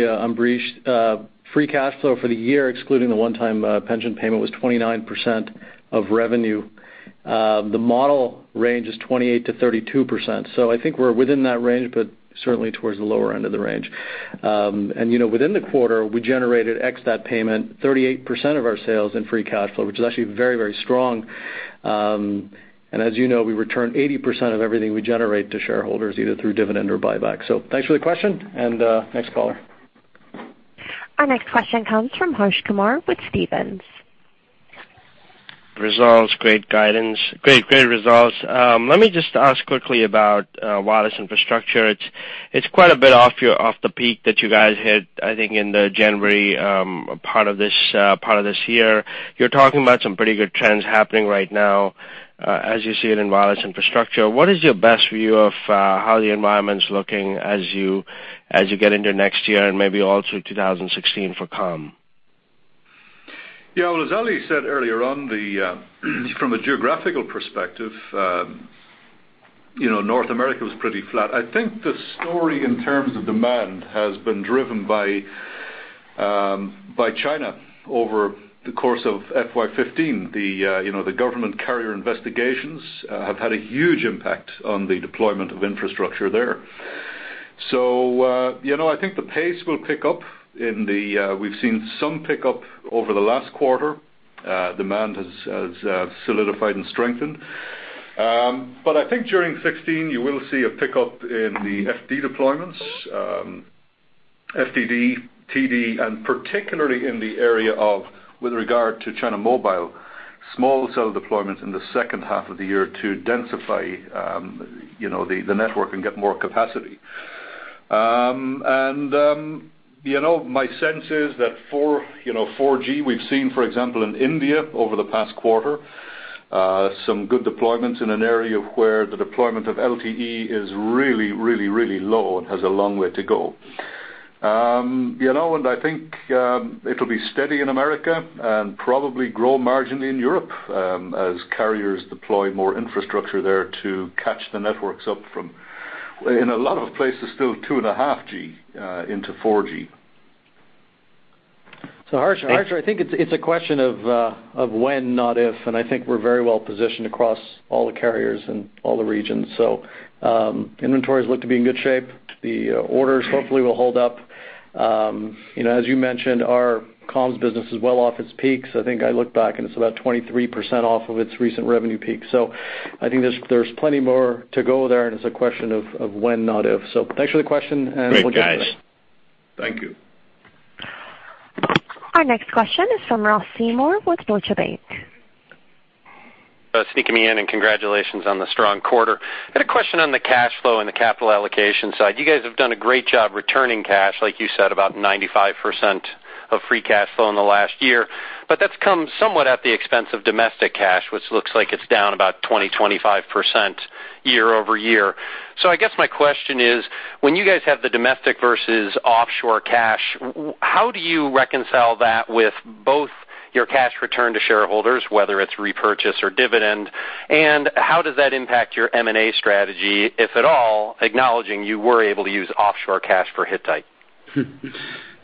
Ambrish, free cash flow for the year, excluding the one-time pension payment, was 29% of revenue. The model range is 28%-32%. I think we're within that range, but certainly towards the lower end of the range. Within the quarter, we generated X that payment, 38% of our sales in free cash flow, which is actually very strong. As you know, we return 80% of everything we generate to shareholders, either through dividend or buyback. Thanks for the question, next caller. Our next question comes from Harsh Kumar with Stephens. Results, great guidance. Great results. Let me just ask quickly about wireless infrastructure. It's quite a bit off the peak that you guys hit, I think, in the January part of this year. You're talking about some pretty good trends happening right now, as you see it in wireless infrastructure. What is your best view of how the environment's looking as you get into next year and maybe all through 2016 for Comm? Yeah, well, as Ali said earlier on, from a geographical perspective, North America was pretty flat. I think the story in terms of demand has been driven by China over the course of FY 2015. The government carrier investigations have had a huge impact on the deployment of infrastructure there. I think the pace will pick up. We've seen some pickup over the last quarter. Demand has solidified and strengthened. I think during 2016, you will see a pickup in the FD deployments, FDD, TD, and particularly in the area of, with regard to China Mobile, small cell deployments in the second half of the year to densify the network and get more capacity. My sense is that 4G, we've seen, for example, in India over the past quarter, some good deployments in an area where the deployment of LTE is really low and has a long way to go. I think it'll be steady in America and probably grow margin in Europe as carriers deploy more infrastructure there to catch the networks up from, in a lot of places, still 2.5G into 4G. Harsh, I think it's a question of when, not if, and I think we're very well positioned across all the carriers and all the regions. Inventories look to be in good shape. The orders hopefully will hold up. As you mentioned, our comms business is well off its peaks. I think I look back, and it's about 23% off of its recent revenue peak. I think there's plenty more to go there, and it's a question of when, not if. Thanks for the question, and we'll get to the next. Great, guys. Thank you. Our next question is from Ross Seymore with Deutsche Bank. Sneaking me in and congratulations on the strong quarter. Had a question on the cash flow and the capital allocation side. You guys have done a great job returning cash, like you said, about 95% of free cash flow in the last year. That's come somewhat at the expense of domestic cash, which looks like it's down about 20%, 25% year-over-year. I guess my question is, when you guys have the domestic versus offshore cash, how do you reconcile that with both your cash return to shareholders, whether it's repurchase or dividend, and how does that impact your M&A strategy, if at all, acknowledging you were able to use offshore cash for Hittite?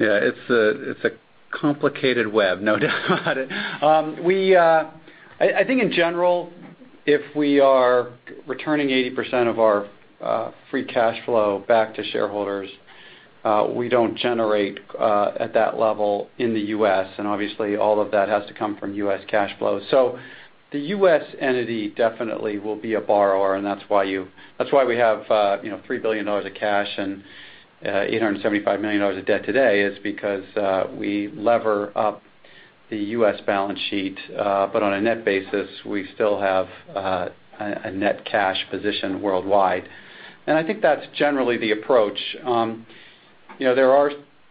Yeah, it's a complicated web, no doubt about it. I think in general, if we are returning 80% of our free cash flow back to shareholders, we don't generate at that level in the U.S., and obviously all of that has to come from U.S. cash flow. The U.S. entity definitely will be a borrower, and that's why we have $3 billion of cash and $875 million of debt today, is because we lever up the U.S. balance sheet. On a net basis, we still have a net cash position worldwide. I think that's generally the approach.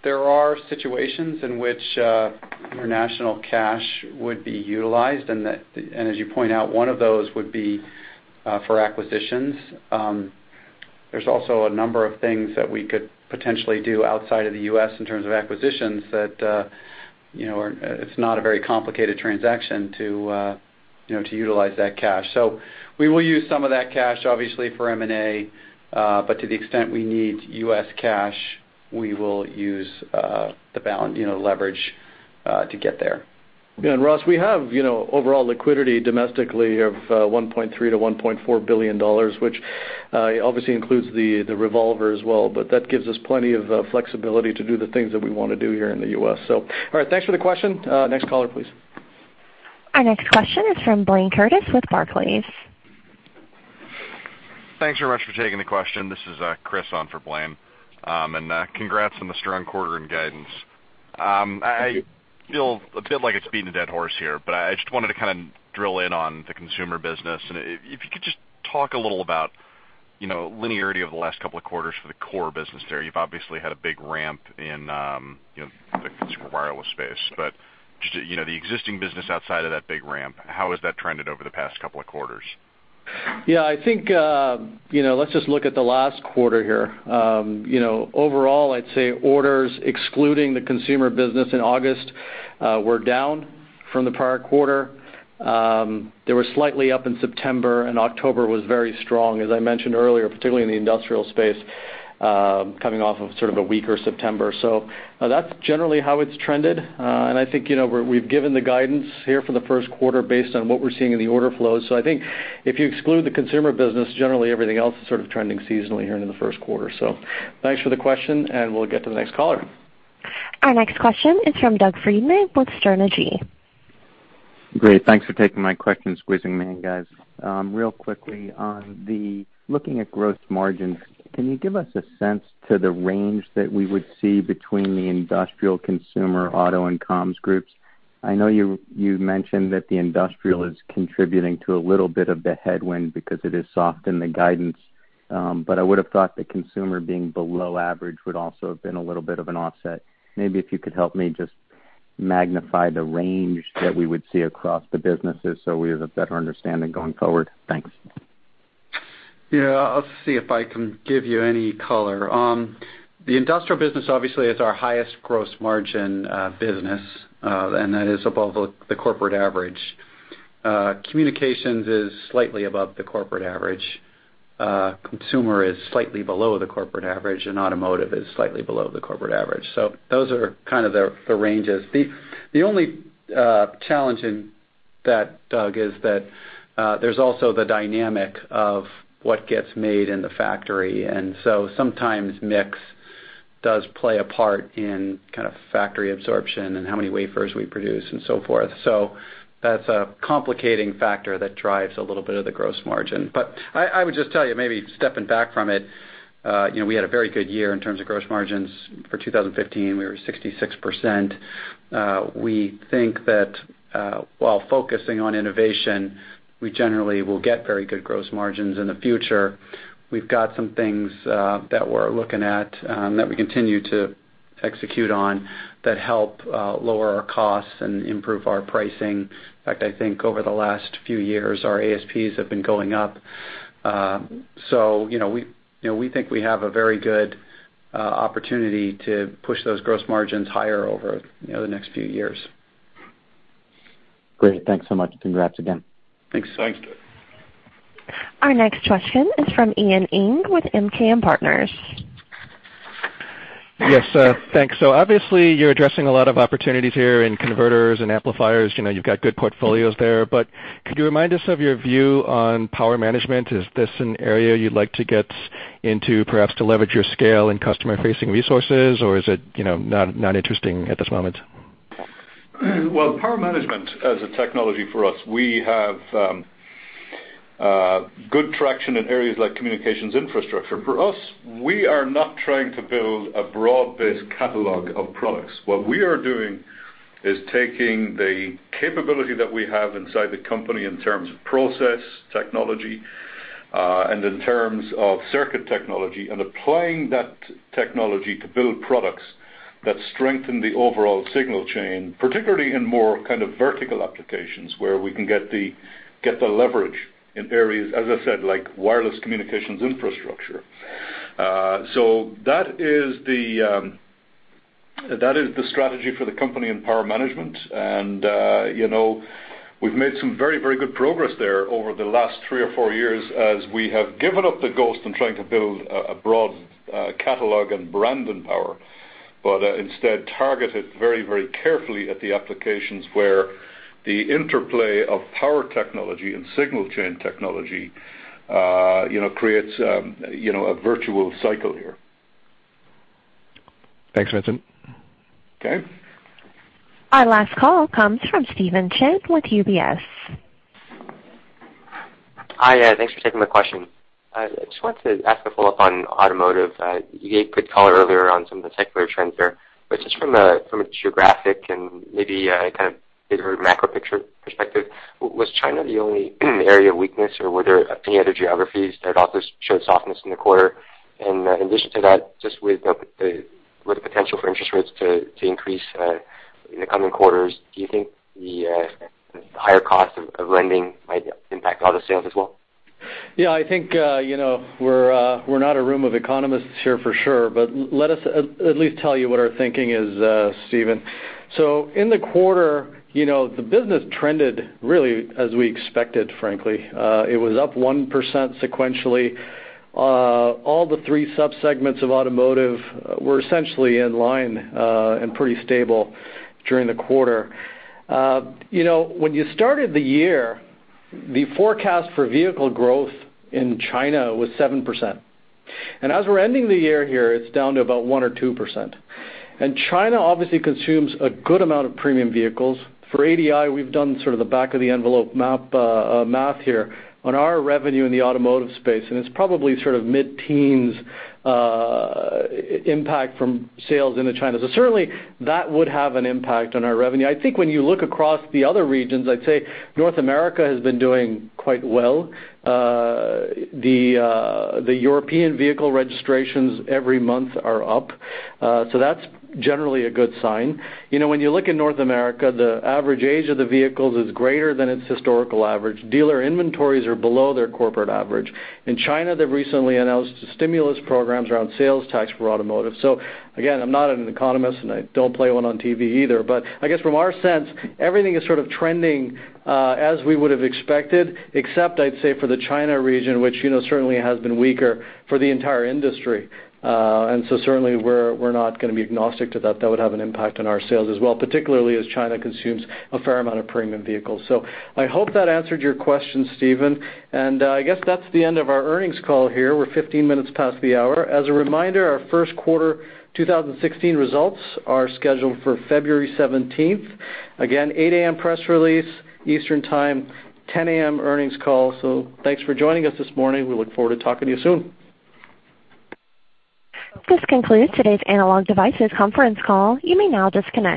There are situations in which international cash would be utilized, and as you point out, one of those would be for acquisitions. There's also a number of things that we could potentially do outside of the U.S. in terms of acquisitions that it's not a very complicated transaction to utilize that cash. We will use some of that cash, obviously, for M&A. To the extent we need U.S. cash, we will use leverage to get there. Yeah. Ross, we have overall liquidity domestically of $1.3 billion to $1.4 billion, which obviously includes the revolver as well, but that gives us plenty of flexibility to do the things that we want to do here in the U.S. All right, thanks for the question. Next caller, please. Our next question is from Blayne Curtis with Barclays. Thanks very much for taking the question. This is Chris on for Blayne. Congrats on the strong quarter and guidance. I feel a bit like it's beating a dead horse here, but I just wanted to kind of drill in on the consumer business, and if you could just talk a little about linearity over the last couple of quarters for the core business there. You've obviously had a big ramp in the consumer wireless space, but just the existing business outside of that big ramp, how has that trended over the past couple of quarters? Yeah, I think let's just look at the last quarter here. Overall, I'd say orders excluding the consumer business in August were down from the prior quarter. They were slightly up in September, and October was very strong, as I mentioned earlier, particularly in the industrial space, coming off of sort of a weaker September. That's generally how it's trended. I think we've given the guidance here for the first quarter based on what we're seeing in the order flows. I think if you exclude the consumer business, generally everything else is sort of trending seasonally here into the first quarter. Thanks for the question, and we'll get to the next caller. Our next question is from Doug Freedman with Sterne Agee. Great. Thanks for taking my questions, Zinsner and guys. Real quickly, looking at gross margins, can you give us a sense to the range that we would see between the industrial consumer auto and comms groups? I know you mentioned that the industrial is contributing to a little bit of the headwind because it is soft in the guidance. I would've thought that consumer being below average would also have been a little bit of an offset. Maybe if you could help me just magnify the range that we would see across the businesses so we have a better understanding going forward. Thanks. Yeah. I'll see if I can give you any color. The industrial business obviously is our highest gross margin business, and that is above the corporate average. Communications is slightly above the corporate average. Consumer is slightly below the corporate average, and automotive is slightly below the corporate average. Those are kind of the ranges. The only challenge in that, Doug, is that, there's also the dynamic of what gets made in the factory. Sometimes mix does play a part in kind of factory absorption and how many wafers we produce and so forth. That's a complicating factor that drives a little bit of the gross margin. I would just tell you, maybe stepping back from it, we had a very good year in terms of gross margins. For 2015, we were 66%. We think that, while focusing on innovation, we generally will get very good gross margins in the future. We've got some things that we're looking at, that we continue to execute on, that help lower our costs and improve our pricing. In fact, I think over the last few years, our ASPs have been going up. We think we have a very good opportunity to push those gross margins higher over the next few years. Great. Thanks so much. Congrats again. Thanks. Thanks, Doug. Our next question is from Ian Ing with MKM Partners. Yes, thanks. Obviously, you're addressing a lot of opportunities here in converters and amplifiers. You've got good portfolios there. Could you remind us of your view on power management? Is this an area you'd like to get into, perhaps to leverage your scale and customer-facing resources, or is it not interesting at this moment? Power management as a technology for us, we have good traction in areas like communications infrastructure. For us, we are not trying to build a broad-based catalog of products. What we are doing is taking the capability that we have inside the company in terms of process technology, and in terms of circuit technology, and applying that technology to build products that strengthen the overall signal chain, particularly in more kind of vertical applications where we can get the leverage in areas, as I said, like wireless communications infrastructure. That is the strategy for the company in power management. We've made some very, very good progress there over the last three or four years as we have given up the ghost in trying to build a broad catalog and brand in power, instead targeted very, very carefully at the applications where the interplay of power technology and signal chain technology creates a virtual cycle here. Thanks, Vincent. Okay. Our last call comes from Stephen Chin with UBS. Hi. Thanks for taking my question. I just wanted to ask a follow-up on automotive. You gave good color earlier on some of the secular trends there. Just from a geographic and maybe kind of bigger macro picture perspective, was China the only area of weakness, or were there any other geographies that also showed softness in the quarter? In addition to that, just with the potential for interest rates to increase in the coming quarters, do you think the higher cost of lending might impact auto sales as well? I think, we're not a room of economists here for sure, but let us at least tell you what our thinking is, Stephen. In the quarter, the business trended really as we expected, frankly. It was up one % sequentially. All the three subsegments of automotive were essentially in line, and pretty stable during the quarter. When you started the year, the forecast for vehicle growth in China was 7%. As we're ending the year here, it's down to about one or two %. China obviously consumes a good amount of premium vehicles. For ADI, we've done sort of the back of the envelope math here on our revenue in the automotive space, and it's probably sort of mid-teens impact from sales into China. Certainly, that would have an impact on our revenue. I think when you look across the other regions, I'd say North America has been doing quite well. The European vehicle registrations every month are up. That's generally a good sign. When you look in North America, the average age of the vehicles is greater than its historical average. Dealer inventories are below their corporate average. In China, they've recently announced stimulus programs around sales tax for automotive. Again, I'm not an economist, and I don't play one on TV either, but I guess from our sense, everything is sort of trending, as we would've expected, except I'd say for the China region, which certainly has been weaker for the entire industry. Certainly we're not going to be agnostic to that. That would have an impact on our sales as well, particularly as China consumes a fair amount of premium vehicles. I hope that answered your question, Stephen. I guess that's the end of our earnings call here. We're 15 minutes past the hour. As a reminder, our first quarter 2016 results are scheduled for February 17th. Again, 8:00 A.M. press release, Eastern Time, 10:00 A.M. earnings call. Thanks for joining us this morning. We look forward to talking to you soon. This concludes today's Analog Devices conference call. You may now disconnect.